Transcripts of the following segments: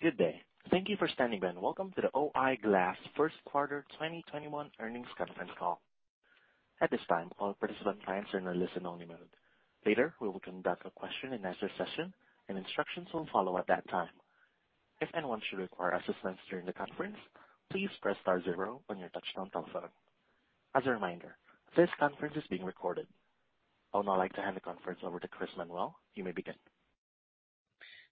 Good day. Thank you for standing by. Welcome to the O-I Glass First Quarter 2021 Earnings Conference Call. At this time, all participants are in listen-only mode. Later, we will conduct a question and answer session, and instructions will follow at that time. If anyone should require assistance during the conference, please press star zero on your touchtone telephone. As a reminder, this conference is being recorded. I would now like to hand the conference over to Chris Manuel. You may begin.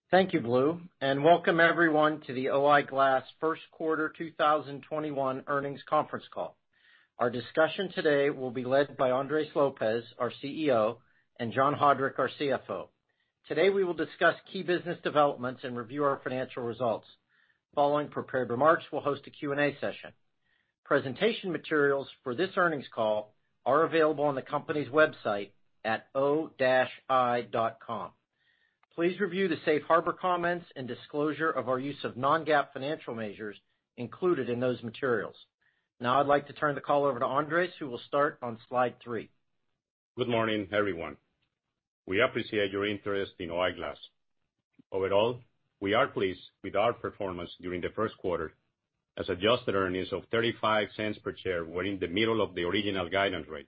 Thank you, Blue, and welcome everyone to the O-I Glass First Quarter 2021 Earnings Conference Call. Our discussion today will be led by Andres Lopez, our CEO, and John Haudrich, our CFO. Today, we will discuss key business developments and review our financial results. Following prepared remarks, we'll host a Q&A session. Presentation materials for this earnings call are available on the company's website at o-i.com. Please review the safe harbor comments and disclosure of our use of non-GAAP financial measures included in those materials. Now I'd like to turn the call over to Andres, who will start on slide three. Good morning, everyone. We appreciate your interest in O-I Glass. Overall, we are pleased with our performance during the first quarter, as adjusted earnings of $0.35 per share were in the middle of the original guidance range.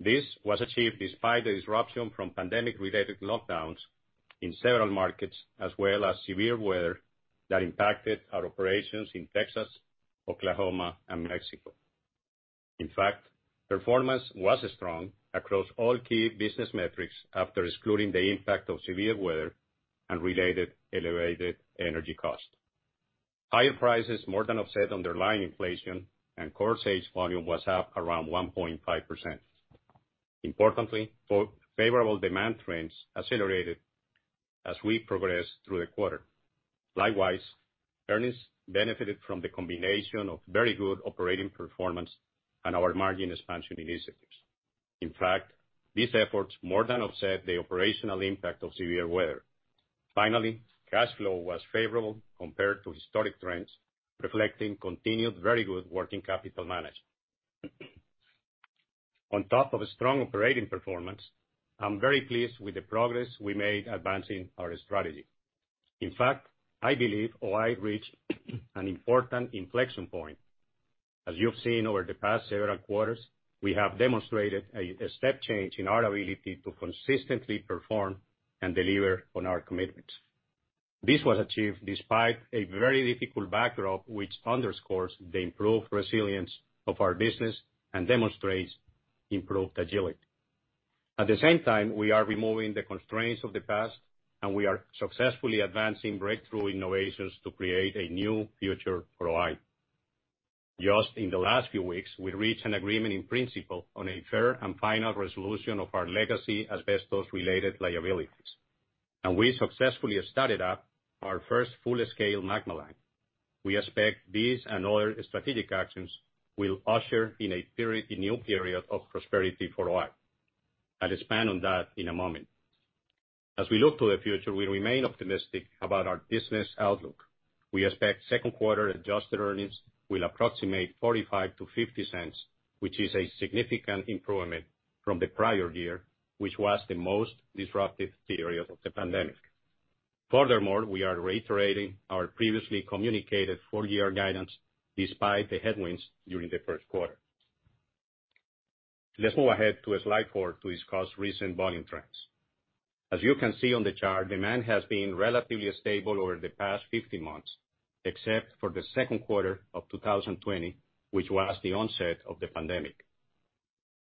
This was achieved despite the disruption from pandemic-related lockdowns in several markets, as well as severe weather that impacted our operations in Texas, Oklahoma, and Mexico. In fact, performance was strong across all key business metrics after excluding the impact of severe weather and related elevated energy cost. Higher prices more than offset underlying inflation, and core sales volume was up around 1.5%. Importantly, favorable demand trends accelerated as we progressed through the quarter. Likewise, earnings benefited from the combination of very good operating performance and our margin expansion initiatives. In fact, these efforts more than offset the operational impact of severe weather. Finally, cash flow was favorable compared to historic trends, reflecting continued very good working capital management. On top of a strong operating performance, I'm very pleased with the progress we made advancing our strategy. In fact, I believe O-I reached an important inflection point. As you have seen over the past several quarters, we have demonstrated a step change in our ability to consistently perform and deliver on our commitments. This was achieved despite a very difficult backdrop, which underscores the improved resilience of our business and demonstrates improved agility. At the same time, we are removing the constraints of the past, and we are successfully advancing breakthrough innovations to create a new future for O-I. Just in the last few weeks, we reached an agreement in principle on a fair and final resolution of our legacy asbestos-related liabilities, and we successfully started up our first full-scale MAGMA line. We expect these and other strategic actions will usher in a new period of prosperity for O-I. I'll expand on that in a moment. As we look to the future, we remain optimistic about our business outlook. We expect second quarter adjusted earnings will approximate $0.45-$0.50, which is a significant improvement from the prior year, which was the most disruptive period of the pandemic. Furthermore, we are reiterating our previously communicated full-year guidance despite the headwinds during the first quarter. Let's move ahead to slide four to discuss recent volume trends. As you can see on the chart, demand has been relatively stable over the past 50 months, except for the second quarter of 2020, which was the onset of the pandemic.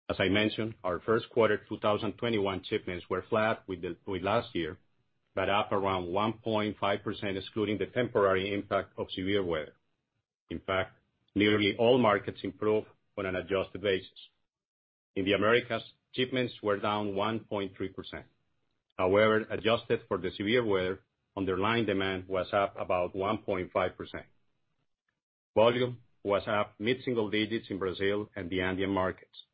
As I mentioned, our first quarter 2021 shipments were flat with last year, but up around 1.5%, excluding the temporary impact of severe weather. In fact, nearly all markets improved on an adjusted basis. In the Americas, shipments were down 1.3%. However, adjusted for the severe weather, underlying demand was up about 1.5%. Volume was up mid-single digits in Brazil and the Andean markets.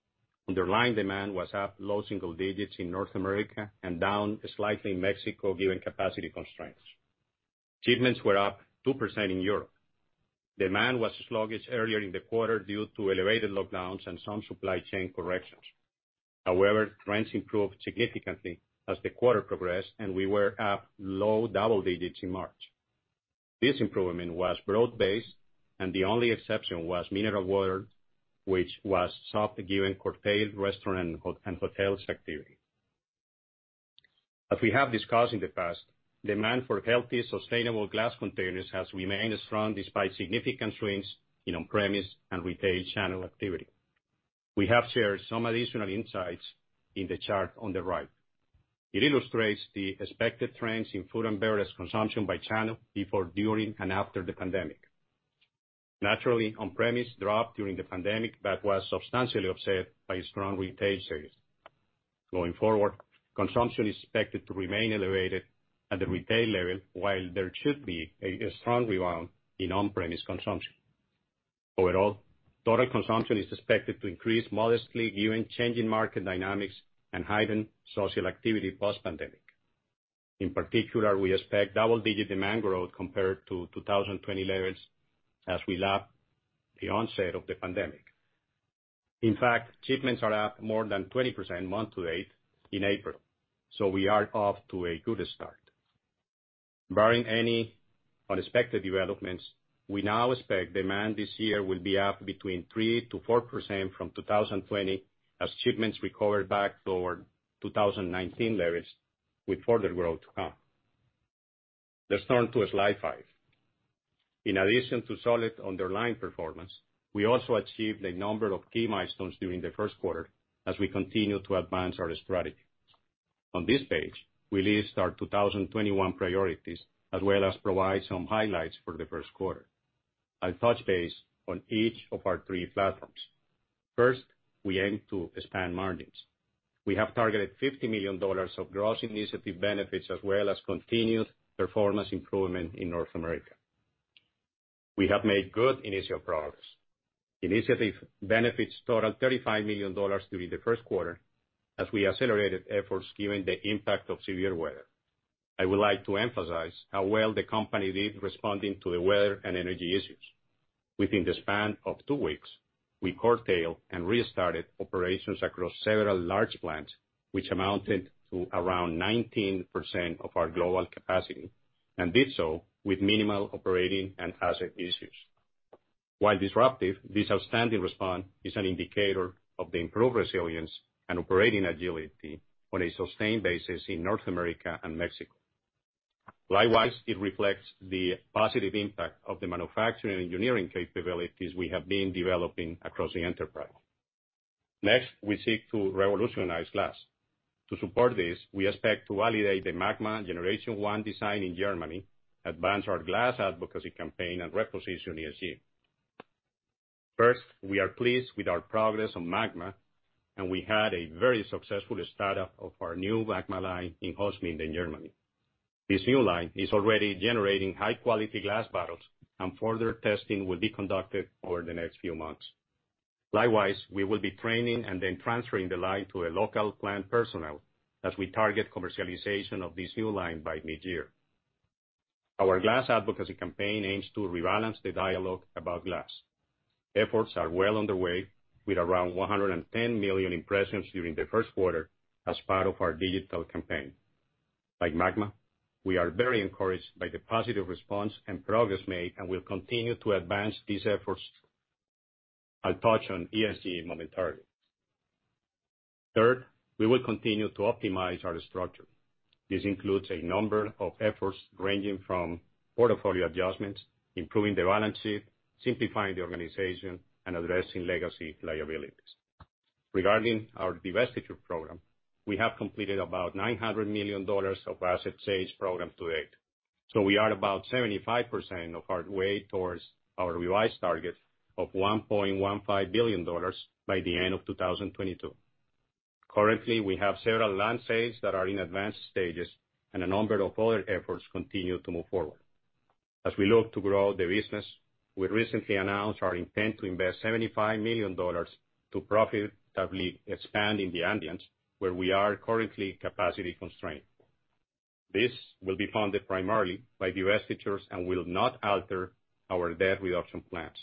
Underlying demand was up low single digits in North America and down slightly in Mexico, given capacity constraints. Shipments were up 2% in Europe. Demand was sluggish earlier in the quarter due to elevated lockdowns and some supply chain corrections. However, trends improved significantly as the quarter progressed, and we were up low double digits in March. This improvement was broad-based, and the only exception was mineral water, which was soft given curtailed restaurant and hotel activity. As we have discussed in the past, demand for healthy, sustainable glass containers has remained strong despite significant trends in on-premise and retail channel activity. We have shared some additional insights in the chart on the right. It illustrates the expected trends in food and beverage consumption by channel before, during, and after the pandemic. Naturally, on-premise dropped during the pandemic, but was substantially offset by strong retail sales. Going forward, consumption is expected to remain elevated at the retail level, while there should be a strong rebound in on-premise consumption. Overall, total consumption is expected to increase modestly given changing market dynamics and heightened social activity post-pandemic. In particular, we expect double-digit demand growth compared to 2020 levels as we lap the onset of the pandemic. In fact, shipments are up more than 20% month to date in April. We are off to a good start. Barring any unexpected developments, we now expect demand this year will be up between 3% to 4% from 2020, as shipments recover back toward 2019 levels, with further growth to come. Let's turn to slide five. In addition to solid underlying performance, we also achieved a number of key milestones during the first quarter as we continue to advance our strategy. On this page, we list our 2021 priorities, as well as provide some highlights for the first quarter. I'll touch base on each of our three platforms. First, we aim to expand margins. We have targeted $50 million of gross initiative benefits, as well as continued performance improvement in North America. We have made good initial progress. Initiative benefits totaled $35 million during the first quarter, as we accelerated efforts given the impact of severe weather. I would like to emphasize how well the company did responding to the weather and energy issues. Within the span of two weeks, we curtailed and restarted operations across several large plants, which amounted to around 19% of our global capacity, and did so with minimal operating and asset issues. While disruptive, this outstanding response is an indicator of the improved resilience and operating agility on a sustained basis in North America and Mexico. Likewise, it reflects the positive impact of the manufacturing engineering capabilities we have been developing across the enterprise. We seek to revolutionize glass. To support this, we expect to validate the MAGMA Generation 1 design in Germany, advance our glass advocacy campaign, and reposition ESG. We are pleased with our progress on MAGMA, and we had a very successful start-up of our new MAGMA line in Holzminden, Germany. This new line is already generating high-quality glass bottles, and further testing will be conducted over the next few months. Likewise, we will be training and then transferring the line to a local plant personnel as we target commercialization of this new line by mid-year. Our glass advocacy campaign aims to rebalance the dialogue about glass. Efforts are well underway, with around 110 million impressions during the first quarter as part of our digital campaign. Like MAGMA, we are very encouraged by the positive response and progress made, and we'll continue to advance these efforts. I'll touch on ESG momentarily. Third, we will continue to optimize our structure. This includes a number of efforts ranging from portfolio adjustments, improving the balance sheet, simplifying the organization, and addressing legacy liabilities. Regarding our divestiture program, we have completed about $900 million of asset sales program to date. We are about 75% of our way towards our revised target of $1.15 billion by the end of 2022. Currently, we have several land sales that are in advanced stages, and a number of other efforts continue to move forward. As we look to grow the business, we recently announced our intent to invest $75 million to profitably expand in the andean, where we are currently capacity constrained. This will be funded primarily by divestitures and will not alter our debt reduction plans.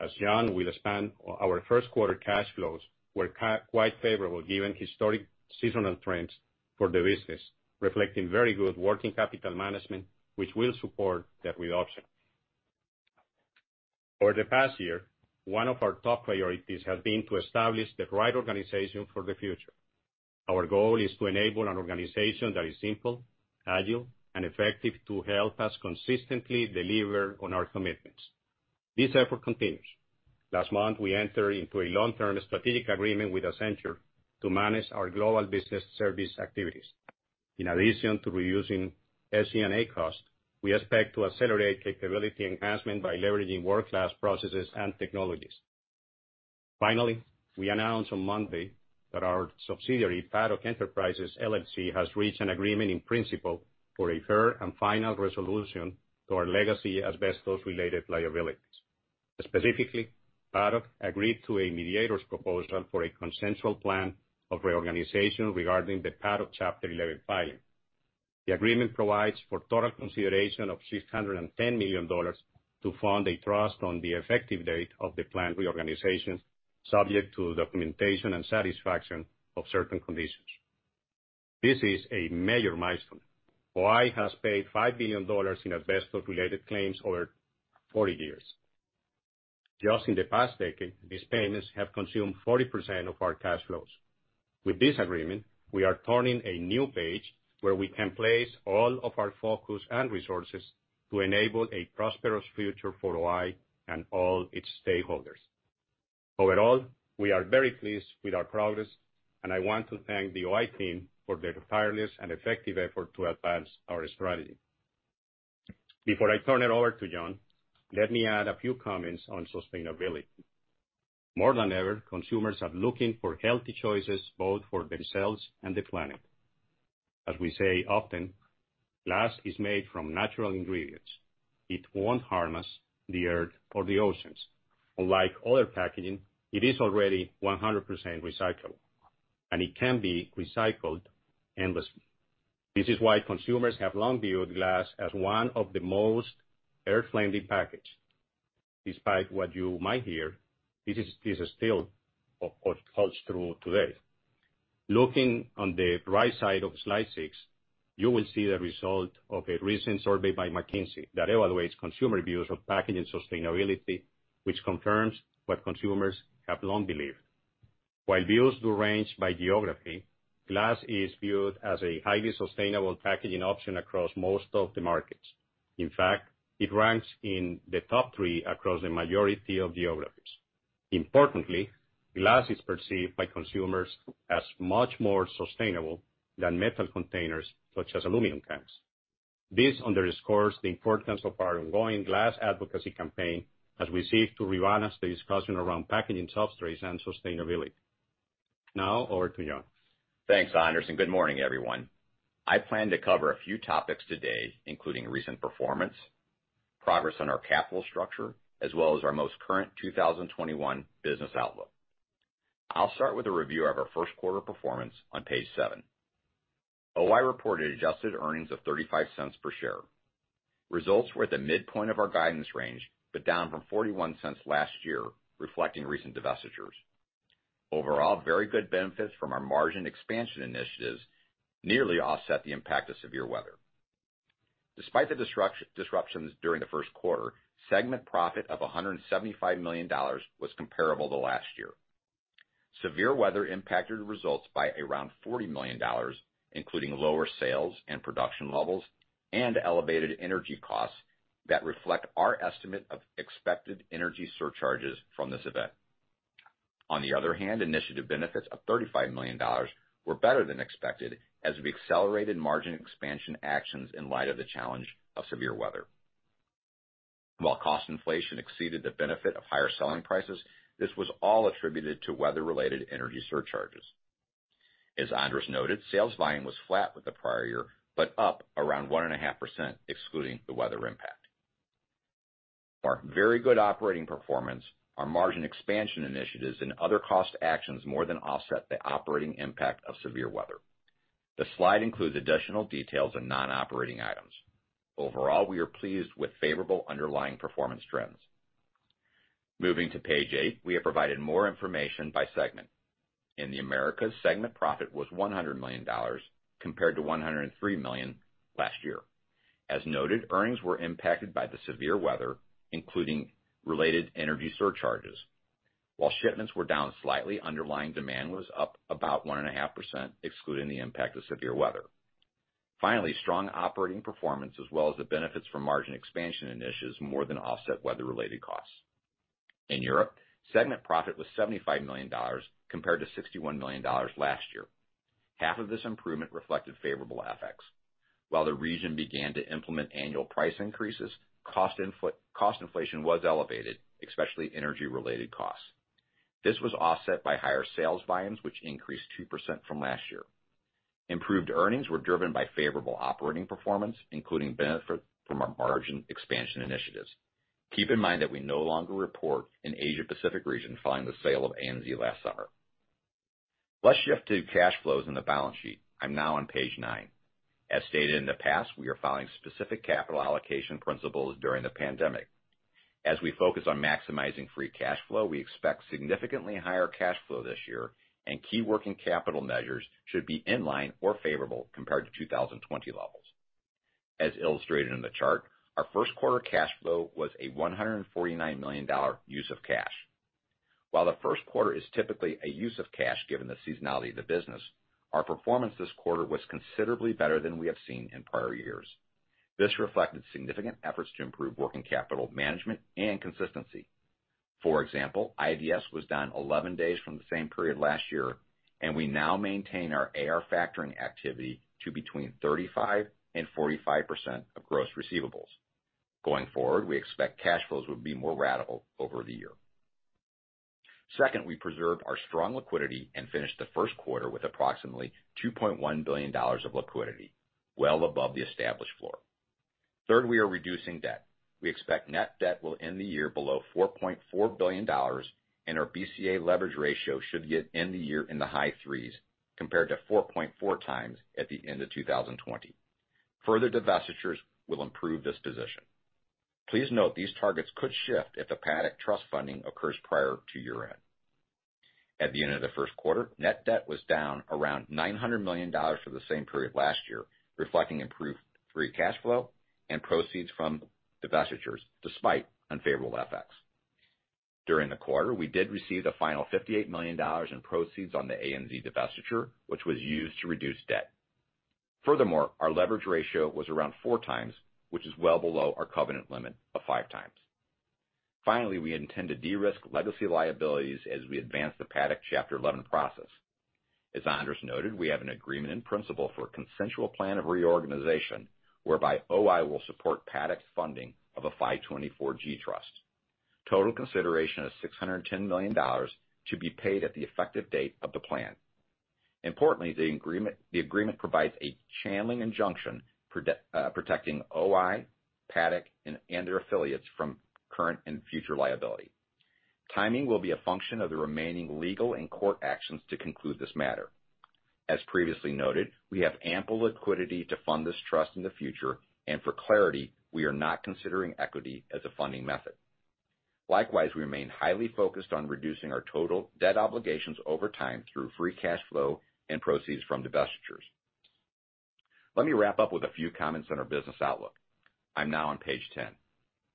As John will expand, our first quarter cash flows were quite favorable given historic seasonal trends for the business, reflecting very good working capital management, which will support debt reduction. Over the past year, one of our top priorities has been to establish the right organization for the future. Our goal is to enable an organization that is simple, agile, and effective to help us consistently deliver on our commitments. This effort continues. Last month, we entered into a long-term strategic agreement with Accenture to manage our global business service activities. In addition to reducing SG&A costs, we expect to accelerate capability enhancement by leveraging world-class processes and technologies. Finally, we announced on Monday that our subsidiary, Paddock Enterprises, LLC, has reached an agreement in principle for a fair and final resolution to our legacy asbestos-related liabilities. Specifically, Paddock agreed to a mediator's proposal for a consensual plan of reorganization regarding the Paddock Chapter 11 filing. The agreement provides for total consideration of $610 million to fund a trust on the effective date of the planned reorganization, subject to documentation and satisfaction of certain conditions. This is a major milestone. O-I has paid $5 billion in asbestos-related claims over 40 years. Just in the past decade, these payments have consumed 40% of our cash flows. With this agreement, we are turning a new page where we can place all of our focus and resources to enable a prosperous future for O-I and all its stakeholders. Overall, we are very pleased with our progress, and I want to thank the O-I team for their tireless and effective effort to advance our strategy. Before I turn it over to John, let me add a few comments on sustainability. More than ever, consumers are looking for healthy choices, both for themselves and the planet. As we say often, glass is made from natural ingredients. It won't harm us, the Earth, or the oceans. Unlike other packaging, it is already 100% recyclable, and it can be recycled endlessly. This is why consumers have long viewed glass as one of the most earth-friendly packaging. Despite what you might hear, this still holds true today. Looking on the right side of slide six, you will see the result of a recent survey by McKinsey that evaluates consumer views of packaging sustainability, which confirms what consumers have long believed. While views do range by geography, glass is viewed as a highly sustainable packaging option across most of the markets. In fact, it ranks in the top three across the majority of geographies. Importantly, glass is perceived by consumers as much more sustainable than metal containers, such as aluminum cans. This underscores the importance of our ongoing glass advocacy campaign as we seek to rebalance the discussion around packaging substrates and sustainability. Now, over to John. Thanks, Andres, and good morning, everyone. I plan to cover a few topics today, including recent performance, progress on our capital structure, as well as our most current 2021 business outlook. I'll start with a review of our first quarter performance on page seven. O-I reported adjusted earnings of $0.35 per share. Results were at the midpoint of our guidance range, but down from $0.41 last year, reflecting recent divestitures. Overall, very good benefits from our margin expansion initiatives nearly offset the impact of severe weather. Despite the disruptions during the first quarter, segment profit of $175 million was comparable to last year. Severe weather impacted results by around $40 million, including lower sales and production levels and elevated energy costs that reflect our estimate of expected energy surcharges from this event. On the other hand, initiative benefits of $35 million were better than expected as we accelerated margin expansion actions in light of the challenge of severe weather. While cost inflation exceeded the benefit of higher selling prices, this was all attributed to weather-related energy surcharges. As Andres noted, sales volume was flat with the prior year, but up around 1.5% excluding the weather impact. Our very good operating performance, our margin expansion initiatives, and other cost actions more than offset the operating impact of severe weather. The slide includes additional details on non-operating items. Overall, we are pleased with favorable underlying performance trends. Moving to page eight, we have provided more information by segment. In the Americas, segment profit was $100 million, compared to $103 million last year. As noted, earnings were impacted by the severe weather, including related energy surcharges. While shipments were down slightly, underlying demand was up about 1.5%, excluding the impact of severe weather. Finally, strong operating performance as well as the benefits from margin expansion initiatives more than offset weather-related costs. In Europe, segment profit was $75 million, compared to $61 million last year. Half of this improvement reflected favorable FX. While the region began to implement annual price increases, cost inflation was elevated, especially energy-related costs. This was offset by higher sales volumes, which increased 2% from last year. Improved earnings were driven by favorable operating performance, including benefit from our margin expansion initiatives. Keep in mind that we no longer report an Asia-Pacific region following the sale of ANZ last summer. Let's shift to cash flows in the balance sheet. I'm now on page nine. As stated in the past, we are following specific capital allocation principles during the pandemic. As we focus on maximizing free cash flow, we expect significantly higher cash flow this year, and key working capital measures should be in line or favorable compared to 2020 levels. As illustrated in the chart, our first quarter cash flow was a $149 million use of cash. While the first quarter is typically a use of cash, given the seasonality of the business, our performance this quarter was considerably better than we have seen in prior years. This reflected significant efforts to improve working capital management and consistency. For example, IDS was down 11 days from the same period last year, and we now maintain our AR factoring activity to between 35% and 45% of gross receivables. Going forward, we expect cash flows will be more ratable over the year. Second, we preserved our strong liquidity and finished the first quarter with approximately $2.1 billion of liquidity, well above the established floor. Third, we are reducing debt. We expect net debt will end the year below $4.4 billion, and our BCA leverage ratio should end the year in the high threes, compared to 4.4 times at the end of 2020. Further divestitures will improve this position. Please note these targets could shift if the Paddock Trust funding occurs prior to year-end. At the end of the first quarter, net debt was down around $900 million for the same period last year, reflecting improved free cash flow and proceeds from divestitures, despite unfavorable FX. During the quarter, we did receive the final $58 million in proceeds on the ANZ divestiture, which was used to reduce debt. Furthermore, our leverage ratio was around four times, which is well below our covenant limit of five times. Finally, I intend to de-risk legacy liabilities as we advance the Paddock Chapter 11 process. As Andres noted, we have an agreement in principle for a consensual plan of reorganization, whereby O-I will support Paddock's funding of a 524 trust. Total consideration of $610 million to be paid at the effective date of the plan. Importantly, the agreement provides a channeling injunction protecting O-I, Paddock, and their affiliates from current and future liability. Timing will be a function of the remaining legal and court actions to conclude this matter. As previously noted, we have ample liquidity to fund this trust in the future, and for clarity, we are not considering equity as a funding method. Likewise, we remain highly focused on reducing our total debt obligations over time through free cash flow and proceeds from divestitures. Let me wrap up with a few comments on our business outlook. I'm now on page 10.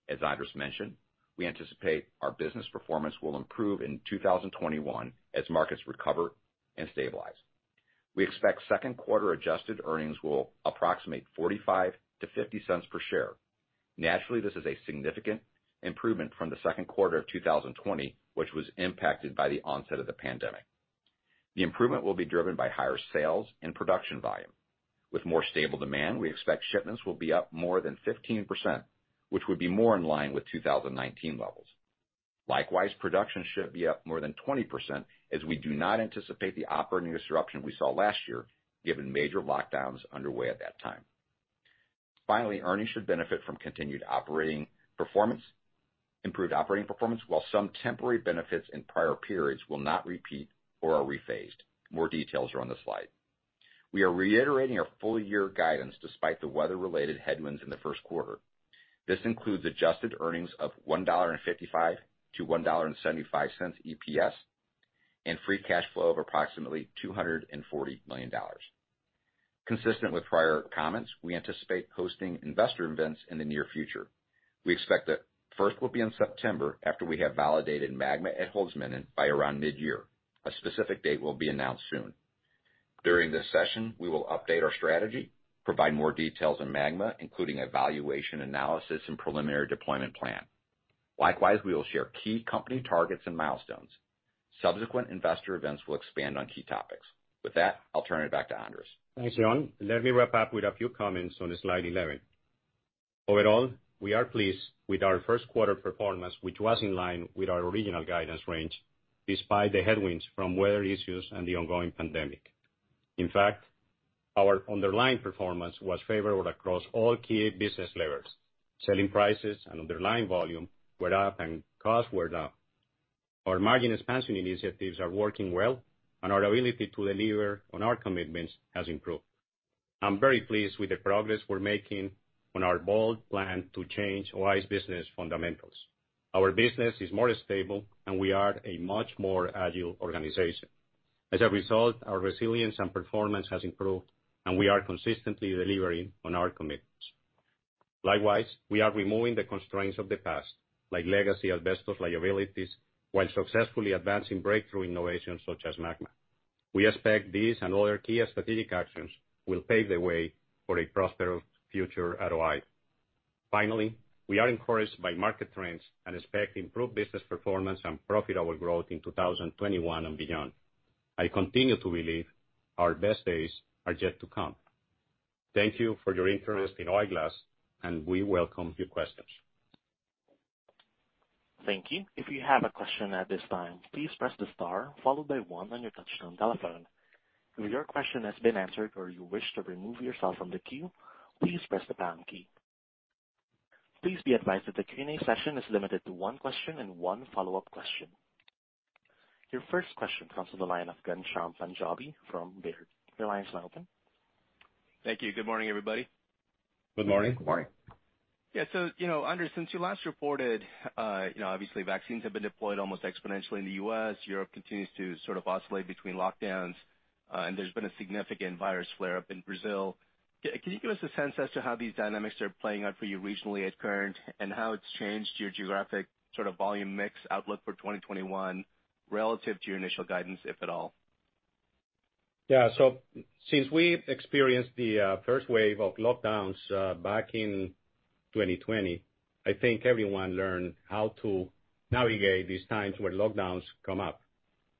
As Andres mentioned, we anticipate our business performance will improve in 2021 as markets recover and stabilize. We expect second quarter adjusted earnings will approximate $0.45-$0.50 per share. Naturally, this is a significant improvement from the second quarter of 2020, which was impacted by the onset of the pandemic. The improvement will be driven by higher sales and production volume. With more stable demand, we expect shipments will be up more than 15%, which would be more in line with 2019 levels. Likewise, production should be up more than 20% as we do not anticipate the operating disruption we saw last year, given major lockdowns underway at that time. Finally, earnings should benefit from continued improved operating performance, while some temporary benefits in prior periods will not repeat or are rephased. More details are on the slide. We are reiterating our full-year guidance despite the weather-related headwinds in the first quarter. This includes adjusted earnings of $1.55 to $1.75 EPS and free cash flow of approximately $240 million. Consistent with prior comments, we anticipate hosting investor events in the near future. We expect that first will be in September after we have validated MAGMA at Holzminden by around mid-year. A specific date will be announced soon. During this session, we will update our strategy, provide more details on MAGMA, including a valuation analysis and preliminary deployment plan. Likewise, we will share key company targets and milestones. Subsequent investor events will expand on key topics. With that, I'll turn it back to Andres. Thanks, John. Let me wrap up with a few comments on slide 11. Overall, we are pleased with our first quarter performance, which was in line with our original guidance range, despite the headwinds from weather issues and the ongoing pandemic. In fact, our underlying performance was favorable across all key business layers. Selling prices and underlying volume were up, and costs were down. Our margin expansion initiatives are working well, and our ability to deliver on our commitments has improved. I'm very pleased with the progress we're making on our bold plan to change O-I's business fundamentals. Our business is more stable, and we are a much more agile organization. As a result, our resilience and performance has improved, and we are consistently delivering on our commitments. Likewise, we are removing the constraints of the past, like legacy asbestos liabilities, while successfully advancing breakthrough innovations such as MAGMA. We expect these and other key strategic actions will pave the way for a prosperous future at O-I. Finally, we are encouraged by market trends and expect improved business performance and profitable growth in 2021 and beyond. I continue to believe our best days are yet to come. Thank you for your interest in O-I Glass, and we welcome your questions. Thank you. If you have a question at this time, please press the star followed by one on your touchtone telephone. If your question has been answered or you wish to remove yourself from the queue, please press the pound key. Please be advised that the Q&A session is limited to one question and one follow-up question. Your first question comes from the line of Ghansham Panjabi from Baird. Your line is now open. Thank you. Good morning, everybody. Good morning. Good morning. Andres, since you last reported, obviously vaccines have been deployed almost exponentially in the U.S., Europe continues to sort of oscillate between lockdowns, and there's been a significant virus flare-up in Brazil. Can you give us a sense as to how these dynamics are playing out for you regionally at current and how it's changed your geographic sort of volume mix outlook for 2021 relative to your initial guidance, if at all? Yeah. Since we experienced the first wave of lockdowns back in 2020, I think everyone learned how to navigate these times where lockdowns come up.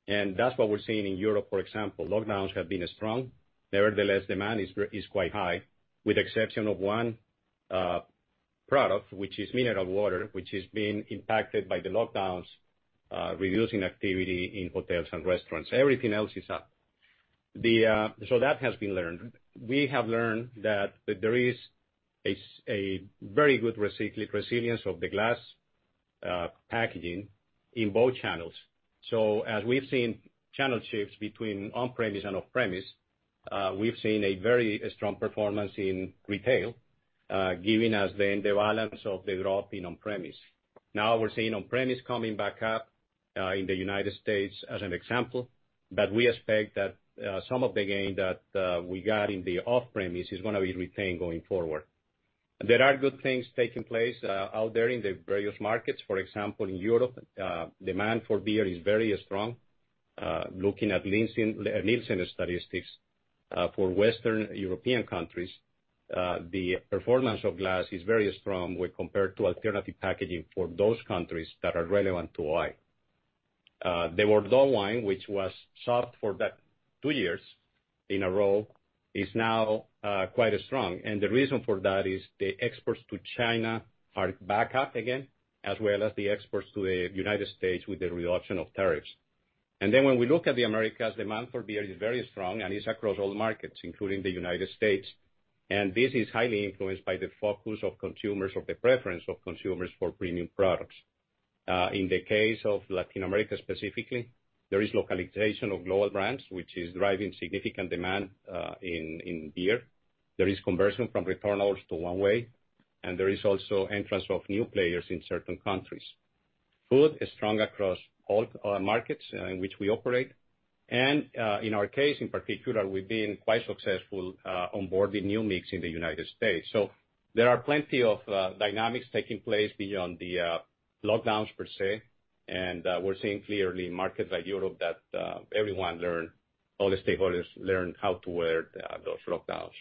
That's what we're seeing in Europe, for example. Lockdowns have been strong. Nevertheless, demand is quite high, with exception of one product, which is mineral water, which is being impacted by the lockdowns, reducing activity in hotels and restaurants. Everything else is up. That has been learned. We have learned that there is a very good resilience of the glass packaging in both channels. As we've seen channel shifts between on-premise and off-premise, we've seen a very strong performance in retail, giving us the counterbalance of the drop in on-premise. We're seeing on-premise coming back up in the U.S. as an example, but we expect that some of the gain that we got in the off-premise is gonna be retained going forward. There are good things taking place out there in the various markets. For example, in Europe, demand for beer is very strong. Looking at Nielsen statistics for Western European countries, the performance of glass is very strong when compared to alternative packaging for those countries that are relevant to O-I. The wine, which was soft for two years in a row, is now quite strong, and the reason for that is the exports to China are back up again, as well as the exports to the U.S. with the reduction of tariffs. When we look at the Americas, demand for beer is very strong, and it's across all markets, including the U.S. This is highly influenced by the focus of consumers or the preference of consumers for premium products. In the case of Latin America, specifically, there is localization of global brands, which is driving significant demand in beer. There is conversion from returnables to one-way, and there is also entrance of new players in certain countries. Food is strong across all markets in which we operate. In our case, in particular, we've been quite successful on boarding new mix in the United States. There are plenty of dynamics taking place beyond the lockdowns, per se. We're seeing clearly markets like Europe that everyone learned, all the stakeholders learned how to weather those lockdowns.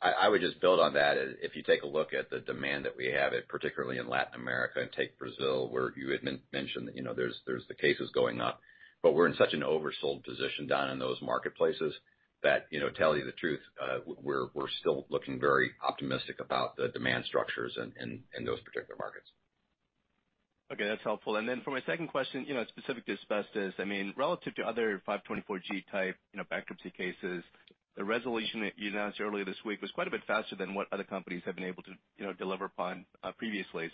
I would just build on that. If you take a look at the demand that we have, particularly in Latin America, and take Brazil, where you had mentioned there's the cases going up. We're in such an oversold position down in those marketplaces that, tell you the truth, we're still looking very optimistic about the demand structures in those particular markets. Okay, that's helpful. Then for my second question, specifically asbestos, relative to other 524 type bankruptcy cases, the resolution that you announced earlier this week was quite a bit faster than what other companies have been able to deliver upon previously.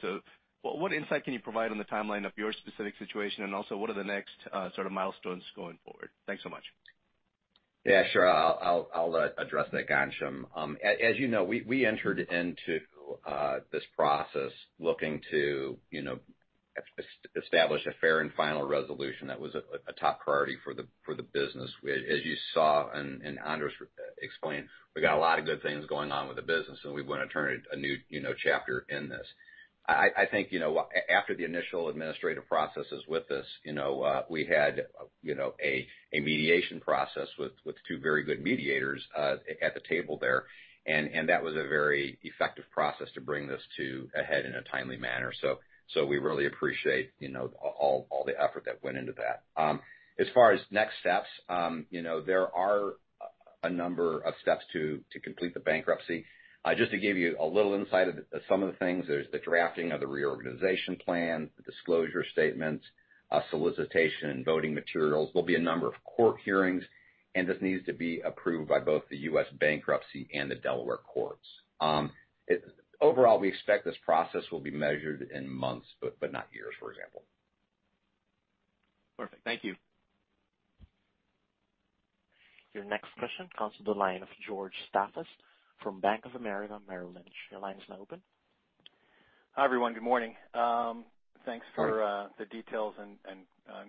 What insight can you provide on the timeline of your specific situation, and also, what are the next sort of milestones going forward? Thanks so much. Yeah, sure. I'll address that, Ghansham. As you know, we entered into this process looking to establish a fair and final resolution that was a top priority for the business. As you saw, and Andres explained, we got a lot of good things going on with the business, and we want to turn a new chapter in this. I think, after the initial administrative processes with this, we had a mediation process with two very good mediators at the table there, and that was a very effective process to bring this to a head in a timely manner. We really appreciate all the effort that went into that. As far as next steps, there are a number of steps to complete the bankruptcy. Just to give you a little insight of some of the things, there's the drafting of the reorganization plan, the disclosure statements, solicitation and voting materials. There'll be a number of court hearings, and this needs to be approved by both the U.S. bankruptcy and the Delaware courts. Overall, we expect this process will be measured in months, but not years, for example. Perfect. Thank you. Your next question comes to the line of George Staphos from Bank of America Merrill Lynch. Your line is now open. Hi, everyone. Good morning. Hi the details and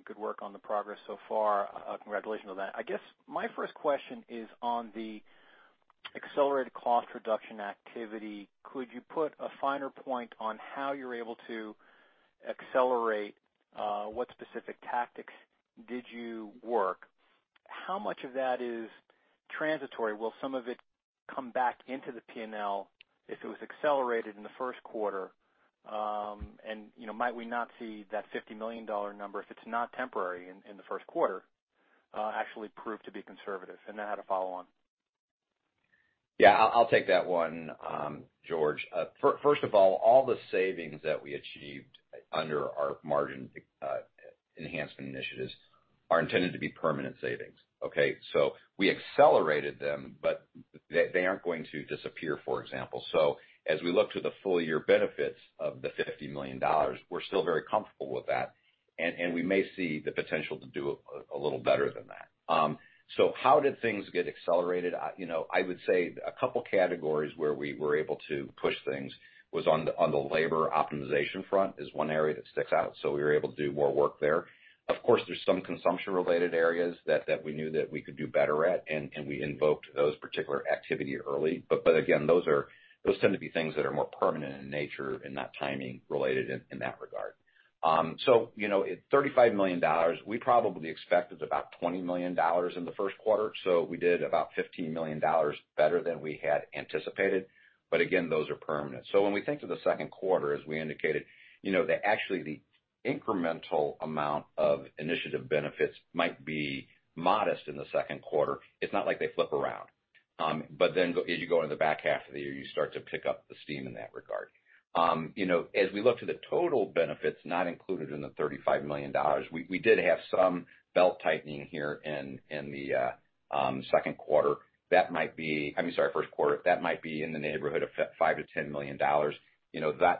good work on the progress so far. Congratulations on that. I guess my first question is on the accelerated cost reduction activity. Could you put a finer point on how you're able to accelerate? What specific tactics did you work? How much of that is transitory? Will some of it come back into the P&L if it was accelerated in the first quarter? Might we not see that $50 million number, if it's not temporary in the first quarter, actually prove to be conservative? I had a follow-on. I'll take that one, George. First of all the savings that we achieved under our margin enhancement initiatives are intended to be permanent savings. Okay. We accelerated them, but they aren't going to disappear, for example. As we look to the full year benefits of the $50 million, we're still very comfortable with that, and we may see the potential to do a little better than that. How did things get accelerated? I would say a couple categories where we were able to push things was on the labor optimization front is one area that sticks out. We were able to do more work there. Of course, there's some consumption-related areas that we knew that we could do better at, and we invoked those particular activity early. Again, those tend to be things that are more permanent in nature and not timing related in that regad. At $35 million, we probably expected about $20 million in the first quarter. We did about $15 million better than we had anticipated. Again, those are permanent. When we think to the second quarter, as we indicated, actually, the incremental amount of initiative benefits might be modest in the second quarter. It's not like they flip around. As you go into the back half of the year, you start to pick up the steam in that regard. As we look to the total benefits, not included in the $35 million, we did have some belt-tightening here in the second quarter. I mean, sorry, first quarter. That might be in the neighborhood of $5 million-$10 million.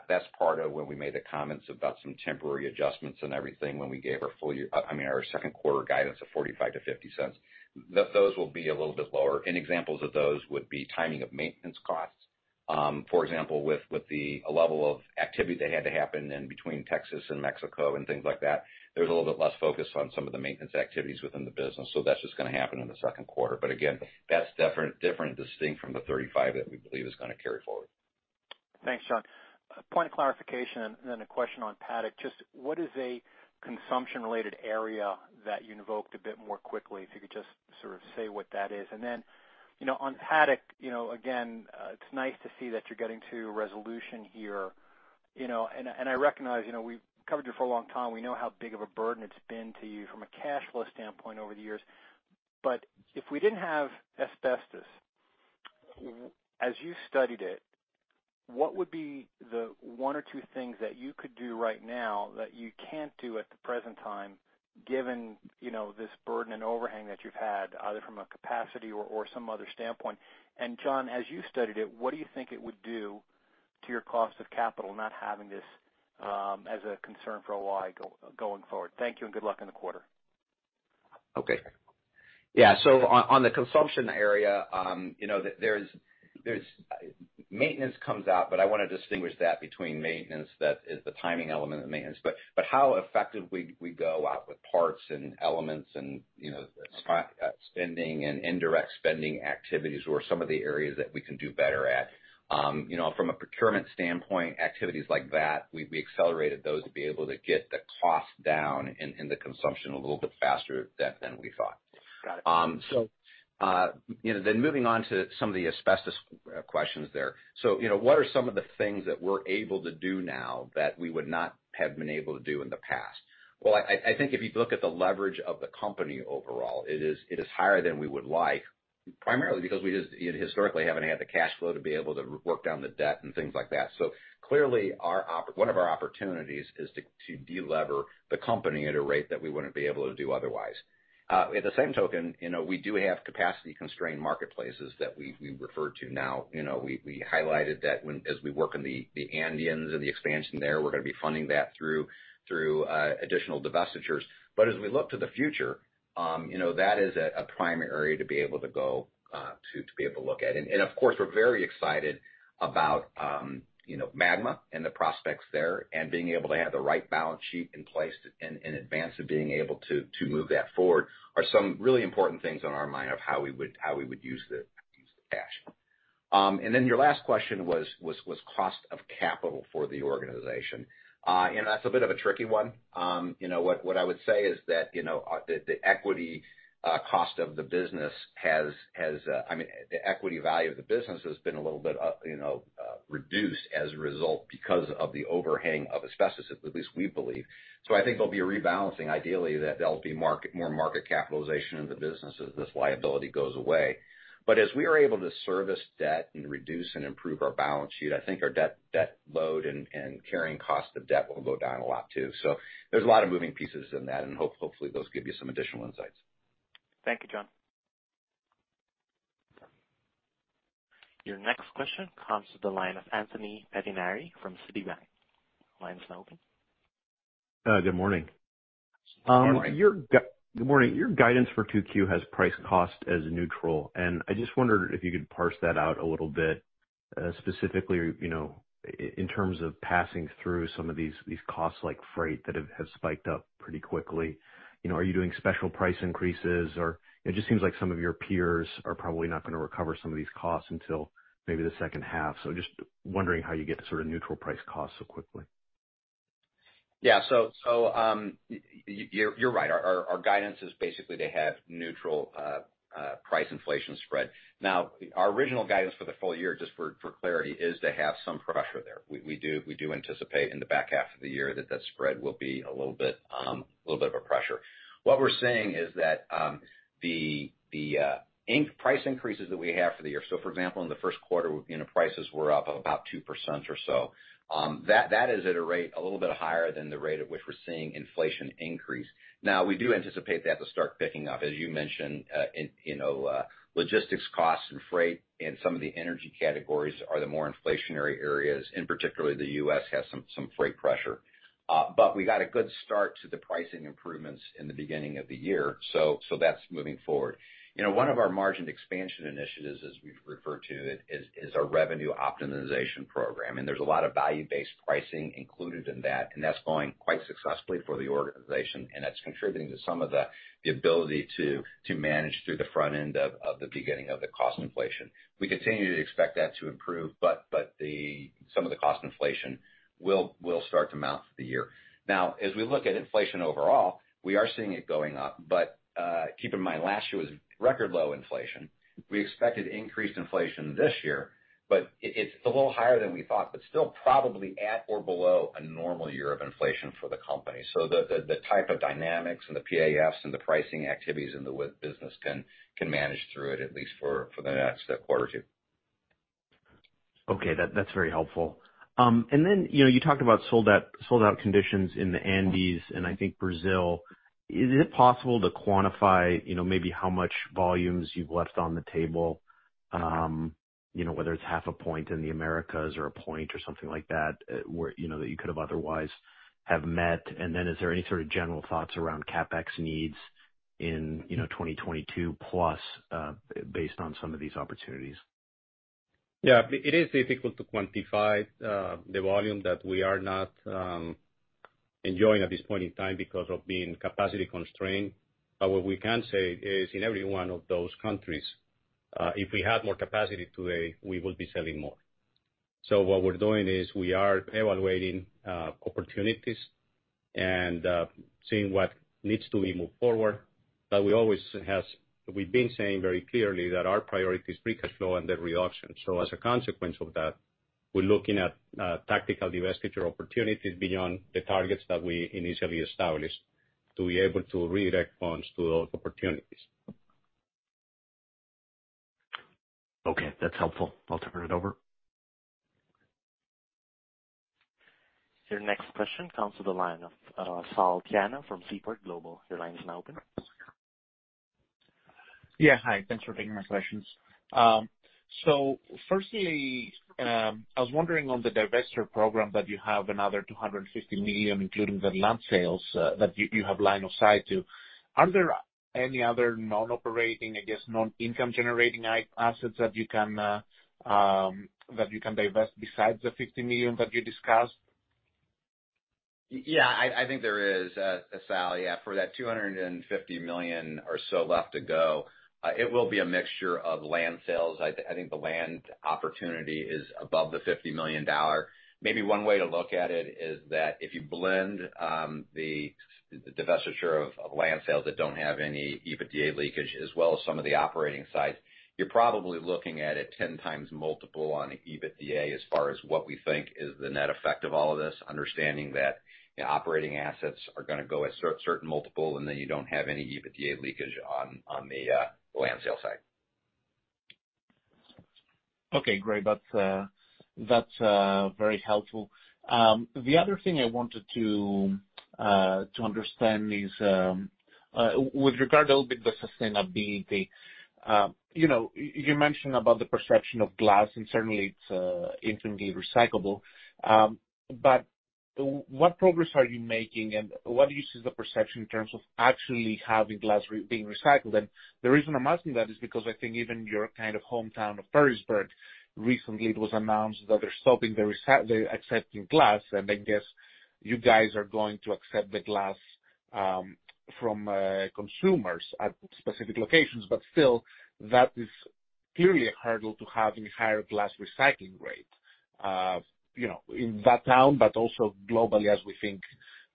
That's part of when we made the comments about some temporary adjustments and everything when we gave our second quarter guidance of $0.45-$0.50. Those will be a little bit lower. Examples of those would be timing of maintenance costs. For example, with the level of activity that had to happen in between Texas and Mexico and things like that, there was a little bit less focus on some of the maintenance activities within the business. That's just gonna happen in the second quarter. Again, that's different, distinct from the $0.35 that we believe is gonna carry forward. Thanks, John. A point of clarification then a question on Paddock. Just what is a consumption-related area that you invoked a bit more quickly? If you could just sort of say what that is. Then, on Paddock, again, it's nice to see that you're getting to a resolution here. I recognize, we've covered you for a long time. We know how big of a burden it's been to you from a cash flow standpoint over the years. If we didn't have, as you studied it, what would be the one or two things that you could do right now that you can't do at the present time, given this burden and overhang that you've had, either from a capacity or some other standpoint? John, as you studied it, what do you think it would do to your cost of capital, not having this as a concern for O-I going forward? Thank you, and good luck in the quarter. Okay. Yeah. On the consumption area, maintenance comes out, I want to distinguish that between maintenance, that is the timing element of maintenance. How effective we go out with parts and elements and spending and indirect spending activities were some of the areas that we can do better at. From a procurement standpoint, activities like that, we accelerated those to be able to get the cost down and the consumption a little bit faster than we thought. Got it. Moving on to some of the asbestos questions there. What are some of the things that we're able to do now that we would not have been able to do in the past? Well, I think if you look at the leverage of the company overall, it is higher than we would like, primarily because we just historically haven't had the cash flow to be able to work down the debt and things like that. Clearly, one of our opportunities is to de-lever the company at a rate that we wouldn't be able to do otherwise. At the same token, we do have capacity-constrained marketplaces that we refer to now. We highlighted that as we work in the Andes and the expansion there, we're going to be funding that through additional divestitures. As we look to the future, that is a prime area to be able to go to be able to look at. Of course, we're very excited about MAGMA and the prospects there and being able to have the right balance sheet in place in advance of being able to move that forward are some really important things on our mind of how we would use the cash. Then your last question was cost of capital for the organization. That's a bit of a tricky one. What I would say is that the equity cost of the business, the equity value of the business has been a little bit reduced as a result because of the overhang of asbestos, at least we believe. I think there'll be a rebalancing, ideally, that there'll be more market capitalization in the business as this liability goes away. As we are able to service debt and reduce and improve our balance sheet, I think our debt load and carrying cost of debt will go down a lot too. There's a lot of moving pieces in that, and hopefully those give you some additional insights. Thank you, John. Your next question comes to the line of Anthony Pettinari from Citi. Good morning. Good morning. Good morning. Your guidance for 2Q has priced cost as neutral. I just wondered if you could parse that out a little bit, specifically, in terms of passing through some of these costs, like freight, that have spiked up pretty quickly. Are you doing special price increases or it just seems like some of your peers are probably not going to recover some of these costs until maybe the second half. Just wondering how you get to sort of neutral price cost so quickly. Yeah. You're right. Our guidance is basically to have neutral price inflation spread. Our original guidance for the full year, just for clarity, is to have some pressure there. We do anticipate in the back half of the year that that spread will be a little bit of a pressure. What we're saying is that the price increases that we have for the year, so for example, in the first quarter, prices were up about 2% or so. That is at a rate a little bit higher than the rate at which we're seeing inflation increase. We do anticipate that to start picking up. As you mentioned, logistics costs and freight and some of the energy categories are the more inflationary areas, and particularly the U.S. has some freight pressure. We got a good start to the pricing improvements in the beginning of the year, so that's moving forward. One of our margin expansion initiatives, as we've referred to, is our revenue optimization program, and there's a lot of value-based pricing included in that, and that's going quite successfully for the organization. That's contributing to some of the ability to manage through the front end of the beginning of the cost inflation. We continue to expect that to improve, but some of the cost inflation will start to mount through the year. Now, as we look at inflation overall, we are seeing it going up. Keep in mind, last year was record low inflation. We expected increased inflation this year, but it's a little higher than we thought, but still probably at or below a normal year of inflation for the company. The type of dynamics and the PAFs and the pricing activities in the food business can manage through it, at least for the next quarter or two. Okay. That's very helpful. You talked about sold-out conditions in the Andes and I think Brazil. Is it possible to quantify maybe how much volumes you've left on the table? Whether it's half a point in the Americas or a point or something like that you could have otherwise have met. Is there any sort of general thoughts around CapEx needs in 2022 plus, based on some of these opportunities? Yeah. It is difficult to quantify the volume that we are not enjoying at this point in time because of being capacity constrained. What we can say is in every one of those countries, if we had more capacity today, we would be selling more. What we're doing is we are evaluating opportunities and seeing what needs to be moved forward. We've been saying very clearly that our priority is free cash flow and the reduction. As a consequence of that, we're looking at tactical divestiture opportunities beyond the targets that we initially established to be able to redirect funds to those opportunities. Okay. That's helpful. I'll turn it over. Your next question comes to the line of Sal Tiano from Seaport Global. Yeah, hi. Thanks for taking my questions. Firstly, I was wondering on the divestiture program that you have another $250 million, including the land sales that you have line of sight to. Are there any other non-operating, I guess, non-income generating assets that you can divest besides the $50 million that you discussed? I think there is, Sal. Yeah. For that $250 million or so left to go, it will be a mixture of land sales. I think the land opportunity is above the $50 million. Maybe one way to look at it is that if you blend the divestiture of land sales that don't have any EBITDA leakage, as well as some of the operating sites, you're probably looking at a 10 times multiple on EBITDA as far as what we think is the net effect of all of this, understanding that operating assets are going to go at certain multiple, and then you don't have any EBITDA leakage on the land sale side. Okay, great. That's very helpful. The other thing I wanted to understand is with regard a little bit to sustainability. You mentioned about the perception of glass, and certainly it's infinitely recyclable. What progress are you making, and what is the perception in terms of actually having glass being recycled? The reason I'm asking that is because I think even your kind of hometown of Perrysburg, recently it was announced that they're stopping accepting glass, and I guess you guys are going to accept the glass from consumers at specific locations. Still, that is clearly a hurdle to having higher glass recycling rates in that town, but also globally, as we think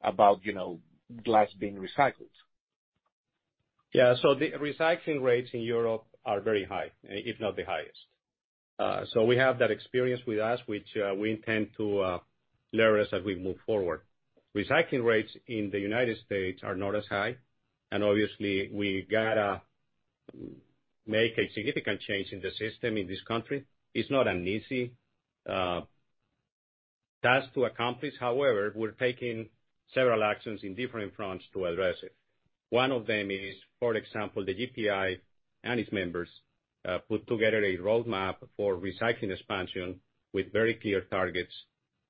about glass being recycled. The recycling rates in Europe are very high, if not the highest. We have that experience with us, which we intend to leverage as we move forward. Recycling rates in the U.S. are not as high, and obviously we got to make a significant change in the system in this country. It's not an easy task to accomplish. However, we're taking several actions in different fronts to address it. One of them is, for example, the GPI and its members put together a roadmap for recycling expansion with very clear targets,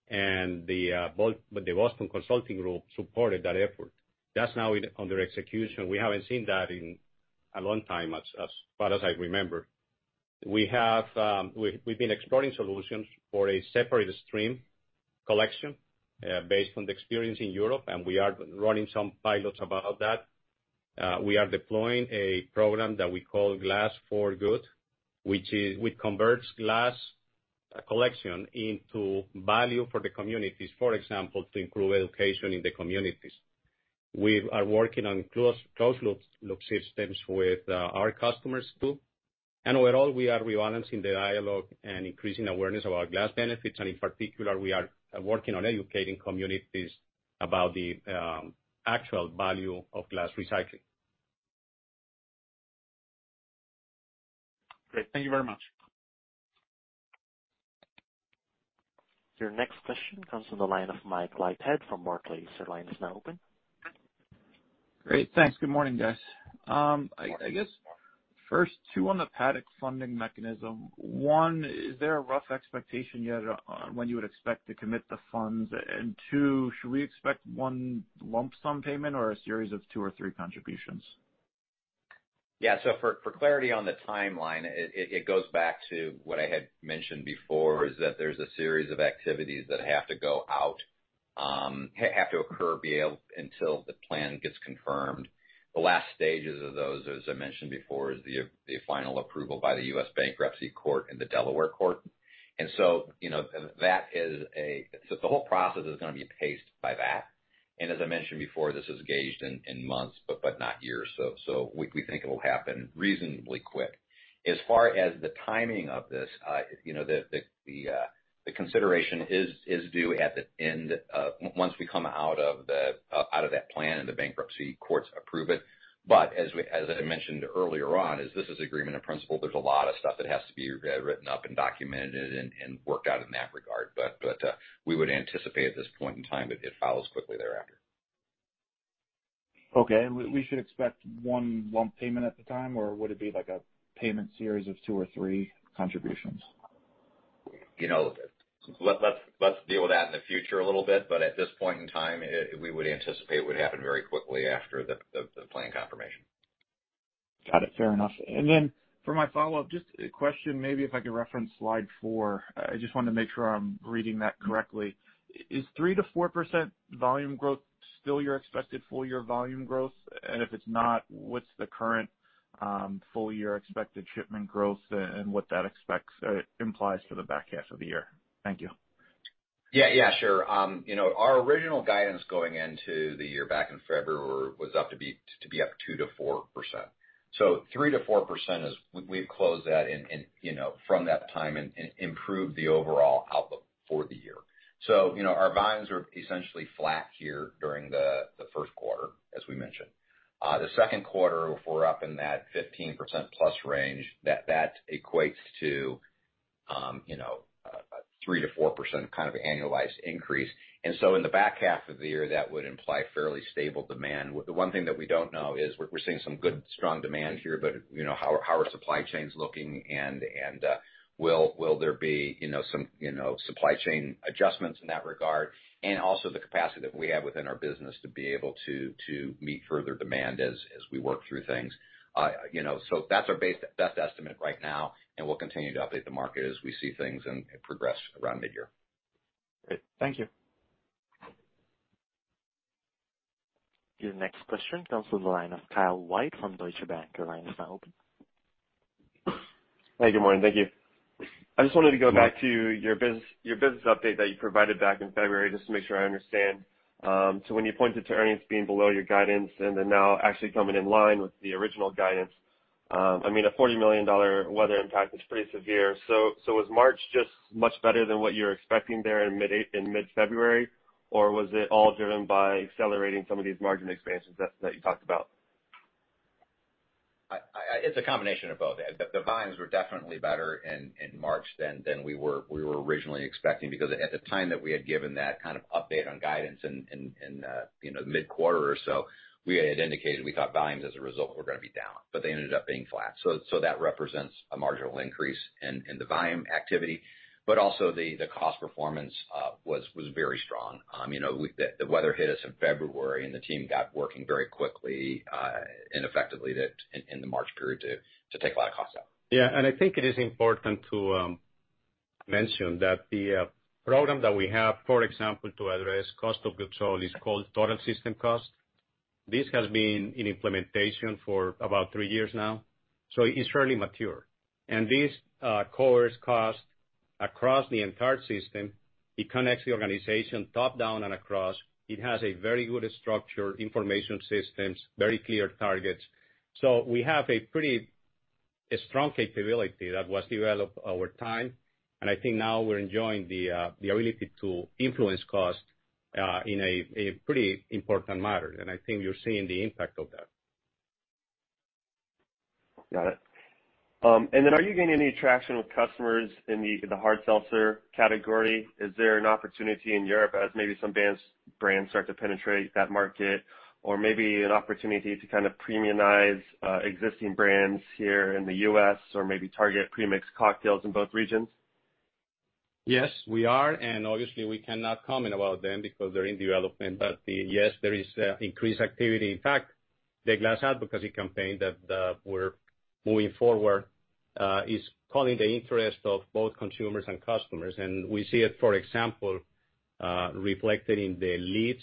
and the Boston Consulting Group supported that effort. That's now under execution. We haven't seen that in a long time, as far as I remember. We've been exploring solutions for a separate stream collection based on the experience in Europe, and we are running some pilots about that. We are deploying a program that we call Glass for Good, which converts glass collection into value for the communities, for example, to improve education in the communities. We are working on closed-loop systems with our customers, too. Overall, we are rebalancing the dialogue and increasing awareness of our glass benefits. In particular, we are working on educating communities about the actual value of glass recycling. Great. Thank you very much. Your next question comes from the line of Mike Leithead from Barclays. Great. Thanks. Good morning, guys. I guess first, two on the Paddock funding mechanism. One, is there a rough expectation yet on when you would expect to commit the funds? Two, should we expect one lump sum payment or a series of two or three contributions? Yeah. For clarity on the timeline, it goes back to what I had mentioned before, is that there's a series of activities that have to occur until the plan gets confirmed. The last stages of those, as I mentioned before, is the final approval by the U.S. Bankruptcy Court and the Delaware Court. The whole process is going to be paced by that. As I mentioned before, this is gauged in months, but not years. We think it will happen reasonably quick. As far as the timing of this, the consideration is due at the end of, once we come out of that plan and the bankruptcy courts approve it. As I mentioned earlier on, as this is an agreement in principle, there's a lot of stuff that has to be written up and documented and worked out in that regard. We would anticipate at this point in time that it follows quickly thereafter. Okay. We should expect one lump payment at the time, or would it be like a payment series of two or three contributions? Let's deal with that in the future a little bit, but at this point in time, we would anticipate it would happen very quickly after the plan confirmation. Got it. Fair enough. Then for my follow-up, just a question, maybe if I could reference slide four. I just wanted to make sure I'm reading that correctly. Is 3%-4% volume growth still your expected full-year volume growth? If it's not, what's the current full-year expected shipment growth and what that implies for the back half of the year? Thank you. Yeah. Sure. Our original guidance going into the year back in February was to be up 2%-4%. 3%-4% is, we've closed that from that time and improved the overall outlook for the year. Our volumes are essentially flat here during the first quarter, as we mentioned. The second quarter, we're up in that 15%+ range, that equates to 3%-4% kind of annualized increase. In the back half of the year, that would imply fairly stable demand. The one thing that we don't know is we're seeing some good, strong demand here, but how are supply chains looking and will there be some supply chain adjustments in that regard? Also the capacity that we have within our business to be able to meet further demand as we work through things. That's our best estimate right now, and we'll continue to update the market as we see things and progress around mid-year. Great. Thank you. Your next question comes from the line of Kyle White from Deutsche Bank. Your line is now open. Hi, good morning. Thank you. I just wanted to go back to your business update that you provided back in February, just to make sure I understand. When you pointed to earnings being below your guidance and then now actually coming in line with the original guidance, I mean, a $40 million weather impact is pretty severe. Was March just much better than what you were expecting there in mid-February? Or was it all driven by accelerating some of these margin expansions that you talked about? It's a combination of both. The volumes were definitely better in March than we were originally expecting, because at the time that we had given that kind of update on guidance in mid-quarter or so, we had indicated we thought volumes as a result were going to be down, but they ended up being flat. That represents a marginal increase in the volume activity. Also the cost performance was very strong. The weather hit us in February, and the team got working very quickly and effectively in the March period to take a lot of cost out. I think it is important to mention that the program that we have, for example, to address cost of goods sold is called Total System Cost. This has been in implementation for about three years now, so it's fairly mature. These course cost across the entire system. It connects the organization top-down and across. It has a very good structure, information systems, very clear targets. We have a pretty strong capability that was developed over time, and I think now we're enjoying the ability to influence cost in a pretty important manner. I think you're seeing the impact of that. Got it. Are you getting any traction with customers in the hard seltzer category? Is there an opportunity in Europe as maybe some brands start to penetrate that market? Maybe an opportunity to kind of premiumize existing brands here in the U.S. or maybe target premixed cocktails in both regions? Yes, we are. Obviously, we cannot comment about them because they're in development. Yes, there is increased activity. In fact, the Glass Advocacy Campaign that we're moving forward is calling the interest of both consumers and customers, and we see it, for example, reflected in the leads.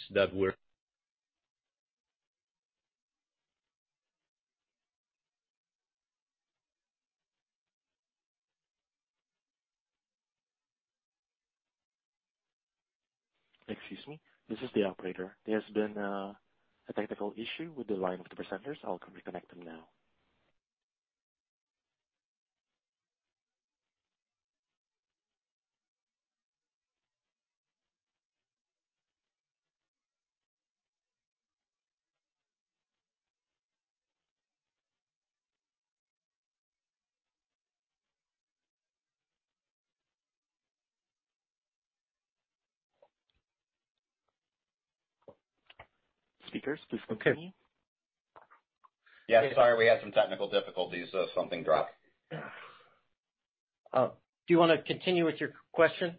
Excuse me. This is the operator. There's been a technical issue with the line of the presenters. I'll reconnect them now. Speakers, please continue. Yeah. Sorry, we had some technical difficulties, so something dropped. Do you want to continue with your question?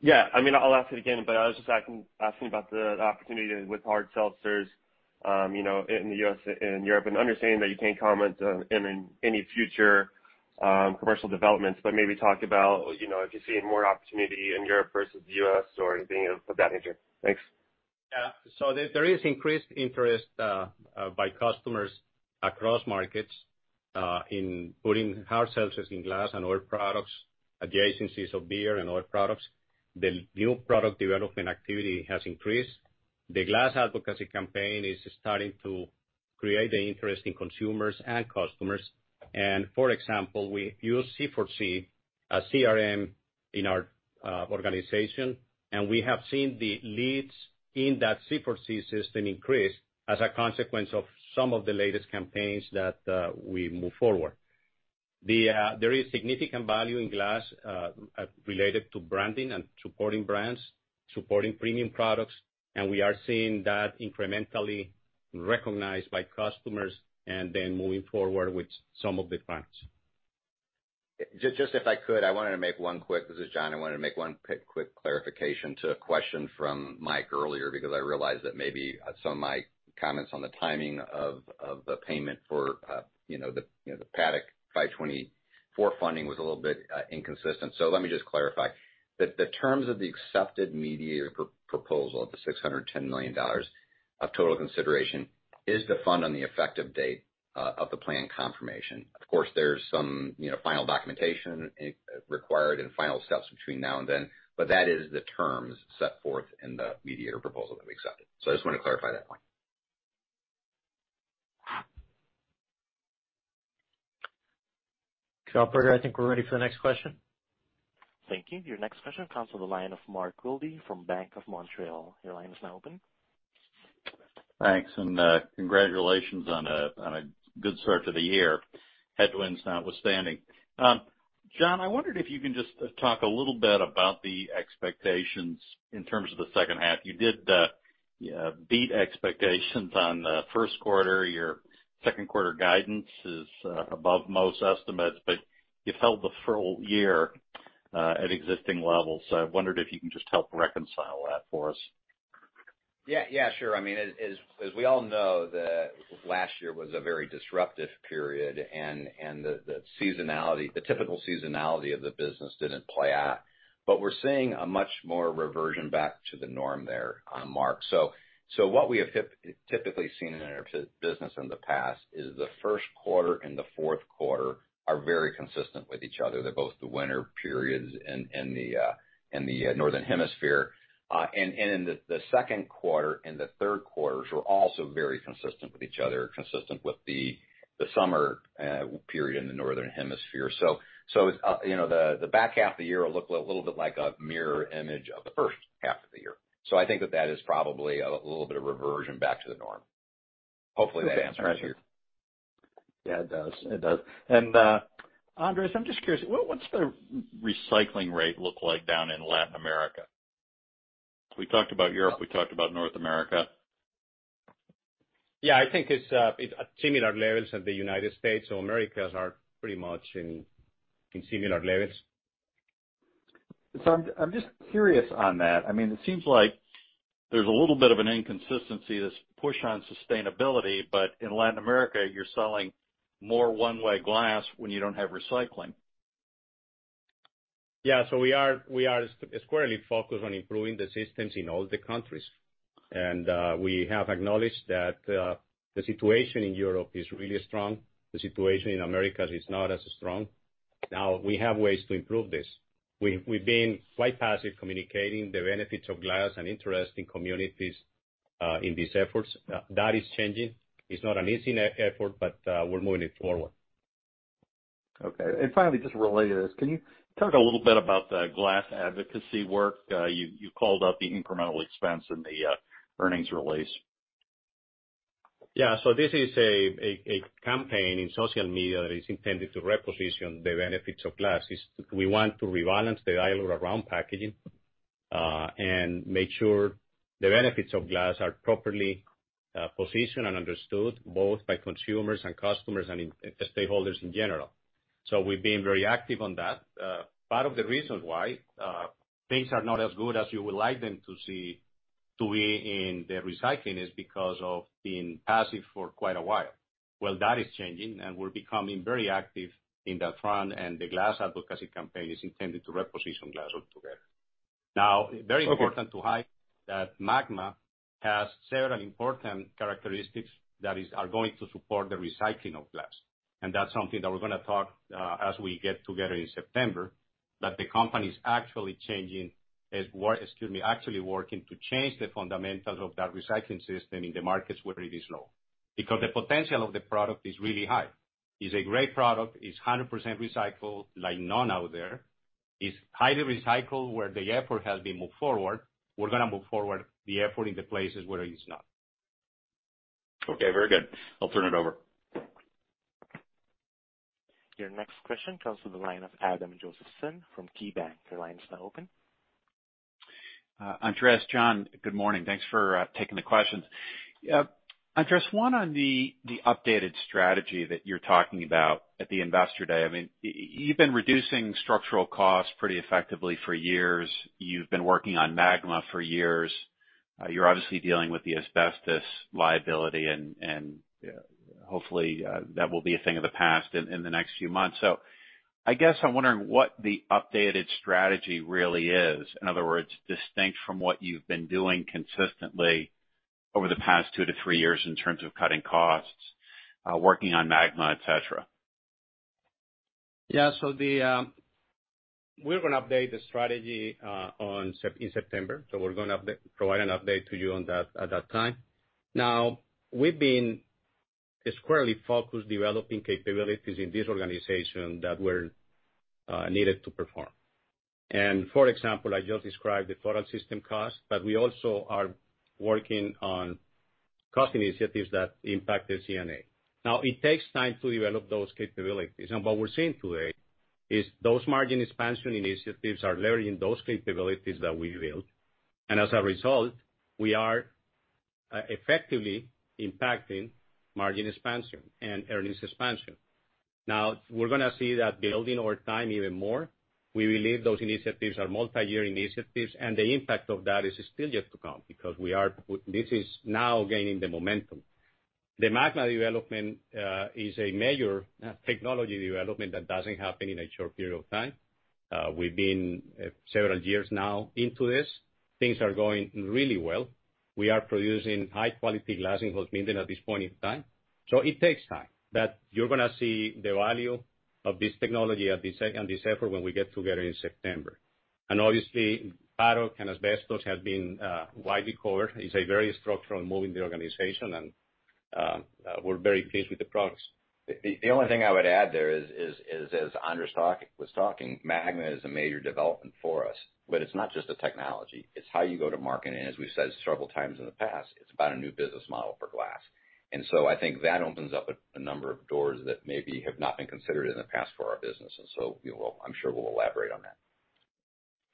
Yeah. I'll ask it again, but I was just asking about the opportunity with hard seltzers in the U.S. and Europe, and understanding that you can't comment on any future commercial developments, but maybe talk about if you're seeing more opportunity in Europe versus U.S. or anything of that nature. Thanks. Yeah. There is increased interest by customers across markets in putting hard seltzers in glass and old products, adjacencies of beer and old products. The new product development activity has increased. The glass advocacy campaign is starting to create an interest in consumers and customers. For example, we use C4C, a CRM in our organization, and we have seen the leads in that C4C system increase as a consequence of some of the latest campaigns that we move forward. There is significant value in glass related to branding and supporting brands, supporting premium products, and we are seeing that incrementally recognized by customers, and then moving forward with some of the brands. Just if I could, this is John. I wanted to make one quick clarification to a question from Mike earlier, because I realize that maybe some of my comments on the timing of the payment for the Paddock 524 funding was a little bit inconsistent. Let me just clarify that the terms of the accepted mediator proposal of the $610 million of total consideration is to fund on the effective date of the plan confirmation. Of course, there's some final documentation required and final steps between now and then, but that is the terms set forth in the mediator proposal that we accepted. I just want to clarify that point. Operator, I think we're ready for the next question. Thank you. Your next question comes from the line of Mark Wilde from Bank of Montreal. Your line is now open. Thanks, congratulations on a good start to the year, headwinds notwithstanding. John, I wondered if you can just talk a little bit about the expectations in terms of the second half. You did beat expectations on the first quarter. Your second-quarter guidance is above most estimates, but you've held the full year at existing levels. I wondered if you can just help reconcile that for us. Sure. As we all know, last year was a very disruptive period, and the typical seasonality of the business didn't play out. We're seeing a much more reversion back to the norm there, Mark. What we have typically seen in our business in the past is the first quarter and the fourth quarter are very consistent with each other. They're both the winter periods in the Northern Hemisphere. Then the second quarter and the third quarters are also very consistent with each other, consistent with the summer period in the Northern Hemisphere. The back half of the year will look a little bit like a mirror image of the first half of the year. I think that that is probably a little bit of reversion back to the norm. Hopefully that answers. Yeah, it does. Andres, I'm just curious, what's the recycling rate look like down in Latin America? We talked about Europe, we talked about North America. Yeah, I think it's at similar levels as the U.S. Americas are pretty much in similar levels. I'm just curious on that. It seems like there's a little bit of an inconsistency, this push on sustainability, but in Latin America, you're selling more one-way glass when you don't have recycling. Yeah. We are squarely focused on improving the systems in all the countries. We have acknowledged that the situation in Europe is really strong. The situation in Americas is not as strong. We have ways to improve this. We've been quite passive communicating the benefits of glass and interest in communities in these efforts. That is changing. It's not an easy effort, but we're moving it forward. Okay. Finally, just related to this, can you talk a little bit about the glass advocacy work? You called out the incremental expense in the earnings release. Yeah. This is a campaign in social media that is intended to reposition the benefits of glass. We want to rebalance the dialogue around packaging, and make sure the benefits of glass are properly positioned and understood, both by consumers and customers and stakeholders in general. We've been very active on that. Part of the reason why things are not as good as you would like them to be in the recycling is because of being passive for quite a while. Well, that is changing, and we're becoming very active in that front, and the glass advocacy campaign is intended to reposition glass altogether. Now, very important to highlight that MAGMA has several important characteristics that are going to support the recycling of glass. That's something that we're going to talk as we get together in September, that the company's actually working to change the fundamentals of that recycling system in the markets where it is low. The potential of the product is really high. It's a great product. It's 100% recycled like none out there. It's highly recycled where the effort has been moved forward. We're gonna move forward the effort in the places where it is not. Okay, very good. I'll turn it over. Your next question comes from the line of Adam Josephson from KeyBanc. Andres Lopez, John Haudrich, good morning. Thanks for taking the questions. Andres Lopez, one on the updated strategy that you're talking about at the investor day. You've been reducing structural costs pretty effectively for years. You've been working on MAGMA for years. You're obviously dealing with the asbestos liability, and hopefully, that will be a thing of the past in the next few months. I guess I'm wondering what the updated strategy really is. In other words, distinct from what you've been doing consistently over the past two to three years in terms of cutting costs, working on MAGMA, et cetera. Yeah. We're gonna update the strategy in September. We're gonna provide an update to you on that at that time. We've been squarely focused developing capabilities in this organization that were needed to perform. For example, I just described the Total System Cost, but we also are working on cost initiatives that impact the SG&A. It takes time to develop those capabilities. What we're seeing today is those margin expansion initiatives are layering those capabilities that we built. As a result, we are effectively impacting margin expansion and earnings expansion. We're gonna see that building over time even more. We believe those initiatives are multi-year initiatives, and the impact of that is still yet to come, because this is now gaining the momentum. The MAGMA development is a major technology development that doesn't happen in a short period of time. We've been several years now into this. Things are going really well. We are producing high quality glass in Holzminden at this point in time. It takes time, but you're going to see the value of this technology and this effort when we get together in September. Obviously, Paddock and asbestos have been widely covered. It's a very structural move in the organization, and we're very pleased with the progress. The only thing I would add there is, as Andres was talking, MAGMA is a major development for us. It's not just a technology, it's how you go to market. As we've said several times in the past, it's about a new business model for glass. I think that opens up a number of doors that maybe have not been considered in the past for our business. I'm sure we'll elaborate on that.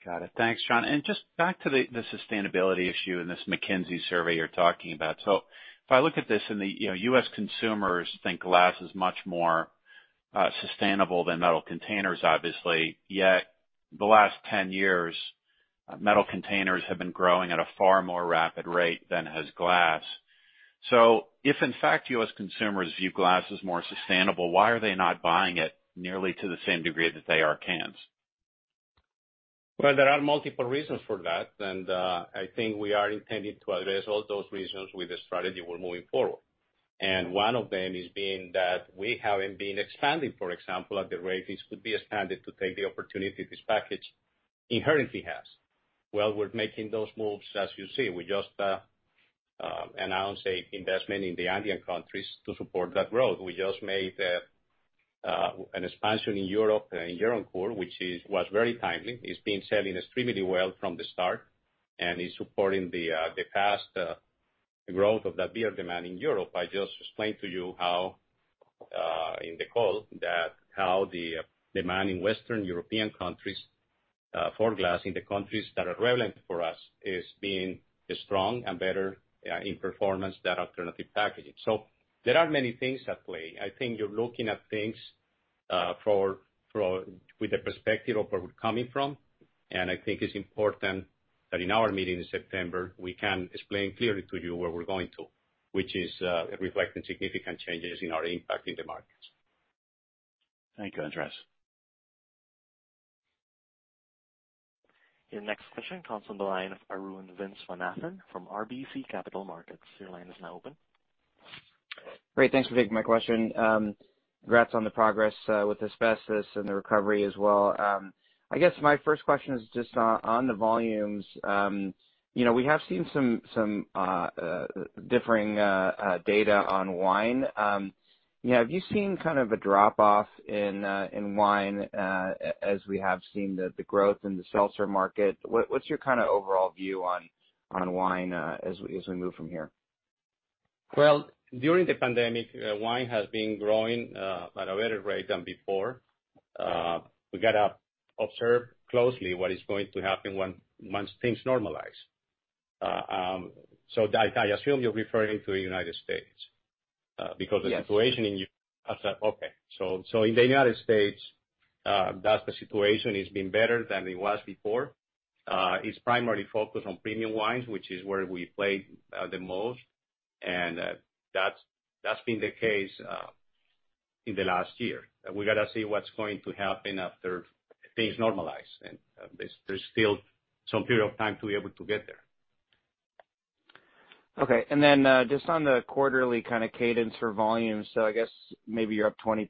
Got it. Thanks, John. Just back to the sustainability issue and this McKinsey survey you're talking about. If I look at this and, U.S. consumers think glass is much more sustainable than metal containers, obviously. Yet, the last 10 years, metal containers have been growing at a far more rapid rate than has glass. If in fact, U.S. consumers view glass as more sustainable, why are they not buying it nearly to the same degree that they are cans? Well, there are multiple reasons for that. I think we are intending to address all those reasons with the strategy we're moving forward. One of them is being that we haven't been expanding, for example, at the rate this could be expanded to take the opportunity this package inherently has. Well, we're making those moves, as you see. We just announced a investment in the Andean countries to support that growth. We just made an expansion in Europe, in Euro NCAP, which was very timely. It's been selling extremely well from the start, and is supporting the past growth of that beer demand in Europe. I just explained to you how, in the call, how the demand in Western European countries for glass in the countries that are relevant for us is being strong and better in performance than alternative packaging. There are many things at play. I think you're looking at things with the perspective of where we're coming from. I think it's important that in our meeting in September, we can explain clearly to you where we're going to. Which is reflecting significant changes in our impact in the markets. Thank you, Andres. Your next question comes from the line of Arun Viswanathan from RBC Capital Markets. Your line is now open. Great. Thanks for taking my question. Congrats on the progress with asbestos and the recovery as well. I guess my first question is just on the volumes. We have seen some differing data on wine. Have you seen kind of a drop-off in wine, as we have seen the growth in the seltzer market? What's your overall view on wine as we move from here? Well, during the pandemic, wine has been growing at a better rate than before. We got to observe closely what is going to happen once things normalize. I assume you're referring to the U.S. Yes. In the U.S., that the situation has been better than it was before. It's primarily focused on premium wines, which is where we play the most. That's been the case in the last year. We got to see what's going to happen after things normalize, and there's still some period of time to be able to get there. Okay. Just on the quarterly cadence for volumes. I guess maybe you're up 20%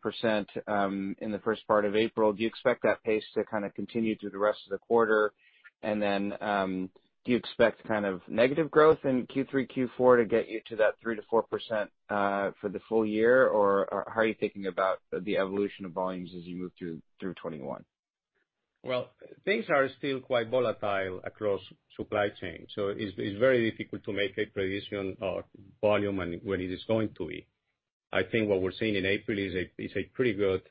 in the first part of April. Do you expect that pace to continue through the rest of the quarter? Do you expect negative growth in Q3, Q4 to get you to that 3%-4%, for the full year? How are you thinking about the evolution of volumes as you move through 2021? Well, things are still quite volatile across supply chain. It's very difficult to make a prediction of volume and when it is going to be. I think what we're seeing in April is a pretty good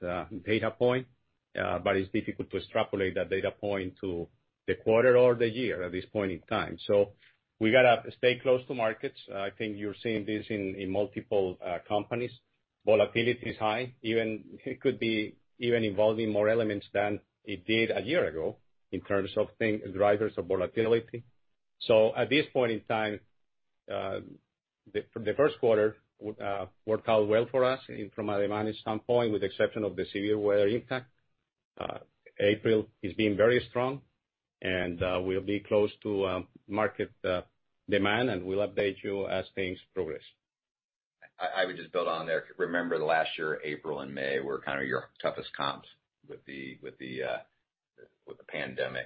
data point. It's difficult to extrapolate that data point to the quarter or the year at this point in time. We got to stay close to markets. I think you're seeing this in multiple companies. Volatility is high. It could be even involving more elements than it did a year ago in terms of drivers of volatility. At this point in time, the first quarter worked out well for us from a demand standpoint, with the exception of the severe weather impact. April is being very strong and, we'll be close to market demand, and we'll update you as things progress. I would just build on there. Remember last year, April and May were your toughest comps with the pandemic.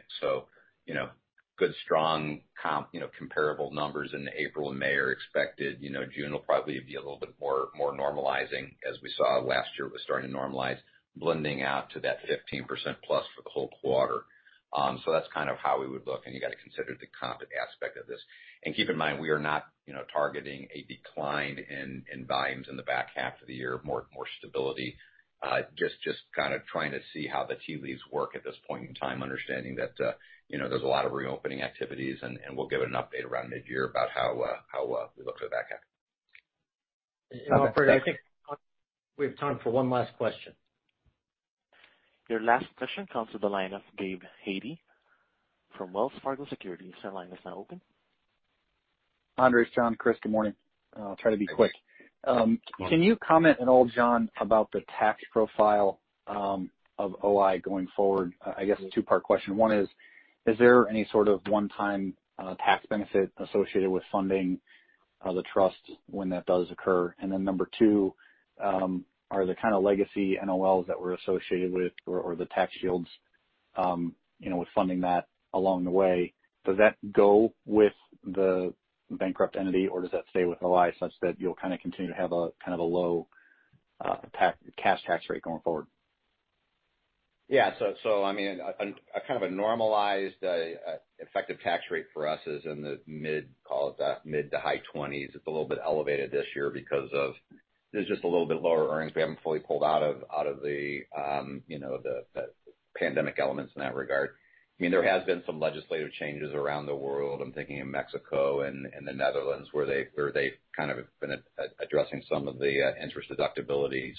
Good strong comparable numbers in April and May are expected. June will probably be a little bit more normalizing, as we saw last year it was starting to normalize, blending out to that 15% plus for the whole quarter. That's how we would look, and you got to consider the comp aspect of this. Keep in mind, we are not targeting a decline in volumes in the back half of the year. More stability. Just trying to see how the tea leaves work at this point in time, understanding that there's a lot of reopening activities, and we'll give an update around mid-year about how we look for the back half. Operator, I think we have time for one last question. Your last question comes to the line of Gabe Hajde from Wells Fargo Securities. Your line is now open. Andres, John, Chris, good morning. I'll try to be quick. Yes. Good morning. Can you comment at all, John, about the tax profile of O-I going forward? I guess a two-part question. One is there any sort of one-time tax benefit associated with funding the trust when that does occur? Then number two, are the kind of legacy NOLs that were associated with or the tax shields with funding that along the way, does that go with the bankrupt entity or does that stay with O-I, such that you'll continue to have a low cash tax rate going forward? Yeah. A kind of normalized effective tax rate for us is in the mid to high 20s. It's a little bit elevated this year because of, there's just a little bit lower earnings. We haven't fully pulled out of the pandemic elements in that regard. There has been some legislative changes around the world. I'm thinking in Mexico and the Netherlands, where they've been addressing some of the interest deductibility.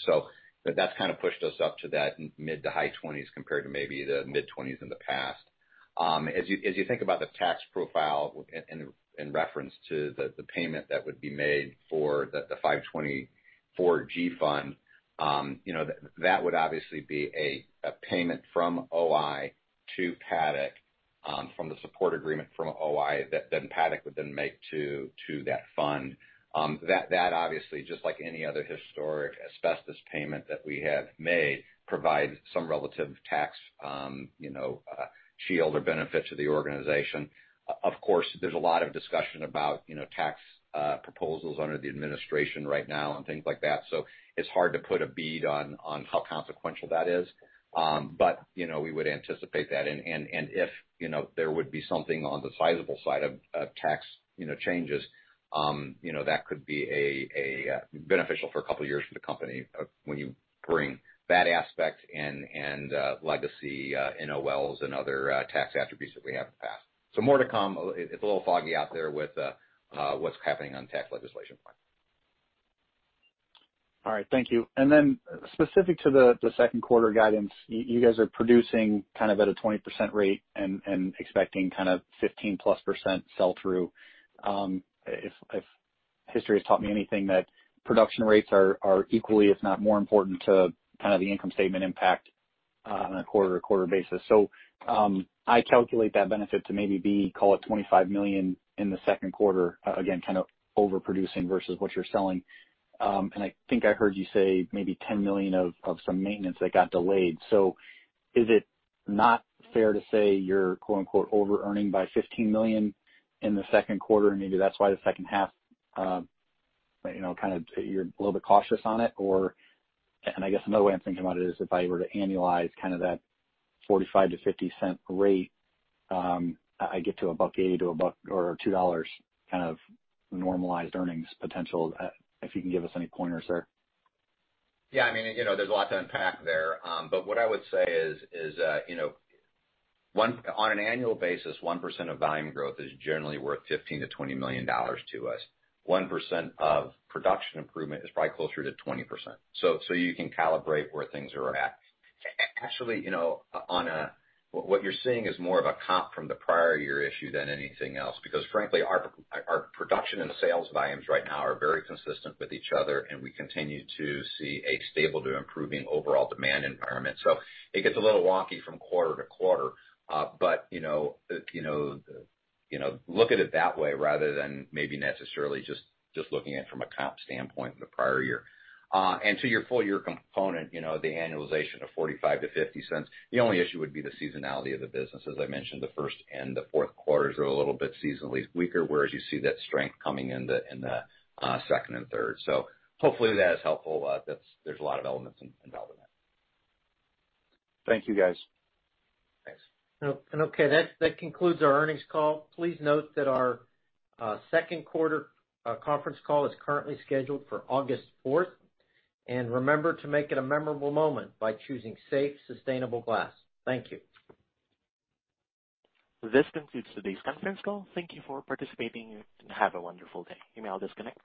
That's pushed us up to that mid to high 20s compared to maybe the mid-20s in the past. As you think about the tax profile in reference to the payment that would be made for the 524(g) fund, that would obviously be a payment from O-I to Paddock, from the support agreement from O-I, that then Paddock would then make to that fund. That obviously, just like any other historic asbestos payment that we have made, provides some relative tax shield or benefit to the organization. Of course, there's a lot of discussion about tax proposals under the administration right now and things like that. It's hard to put a bead on how consequential that is. We would anticipate that, and if there would be something on the sizable side of tax changes, that could be beneficial for a couple of years for the company, when you bring that aspect and legacy NOLs and other tax attributes that we have in the past. More to come. It's a little foggy out there with what's happening on the tax legislation front. All right, thank you. Specific to the second quarter guidance, you guys are producing at a 20% rate and expecting 15-plus % sell-through. If history has taught me anything, that production rates are equally, if not more important to the income statement impact on a quarter-to-quarter basis. I calculate that benefit to maybe be, call it $25 million in the second quarter. Again, overproducing versus what you're selling. I think I heard you say maybe $10 million of some maintenance that got delayed. Is it not fair to say you're "over-earning" by $15 million in the second quarter, and maybe that's why the second half you're a little bit cautious on it or I guess another way I'm thinking about it is if I were to annualize that $0.45-$0.50 rate, I get to a $1.80-$2 normalized earnings potential. If you can give us any pointers there. Yeah. There's a lot to unpack there. What I would say is, on an annual basis, 1% of volume growth is generally worth $15 million-$20 million to us. 1% of production improvement is probably closer to 20%. You can calibrate where things are at. Actually, what you're seeing is more of a comp from the prior year issue than anything else. Frankly, our production and sales volumes right now are very consistent with each other, and we continue to see a stable to improving overall demand environment. It gets a little wonky from quarter to quarter. Look at it that way rather than maybe necessarily just looking at it from a comp standpoint of the prior year. To your full-year component, the annualization of $0.45-$0.50, the only issue would be the seasonality of the business. As I mentioned, the first and the fourth quarters are a little bit seasonally weaker, whereas you see that strength coming in the second and third. Hopefully that is helpful. There's a lot of elements involved in that. Thank you, guys. Thanks. Okay. That concludes our earnings call. Please note that our second quarter conference call is currently scheduled for August 4th. Remember to make it a memorable moment by choosing safe, sustainable glass. Thank you. This concludes today's conference call. Thank you for participating and have a wonderful day. You may all disconnect.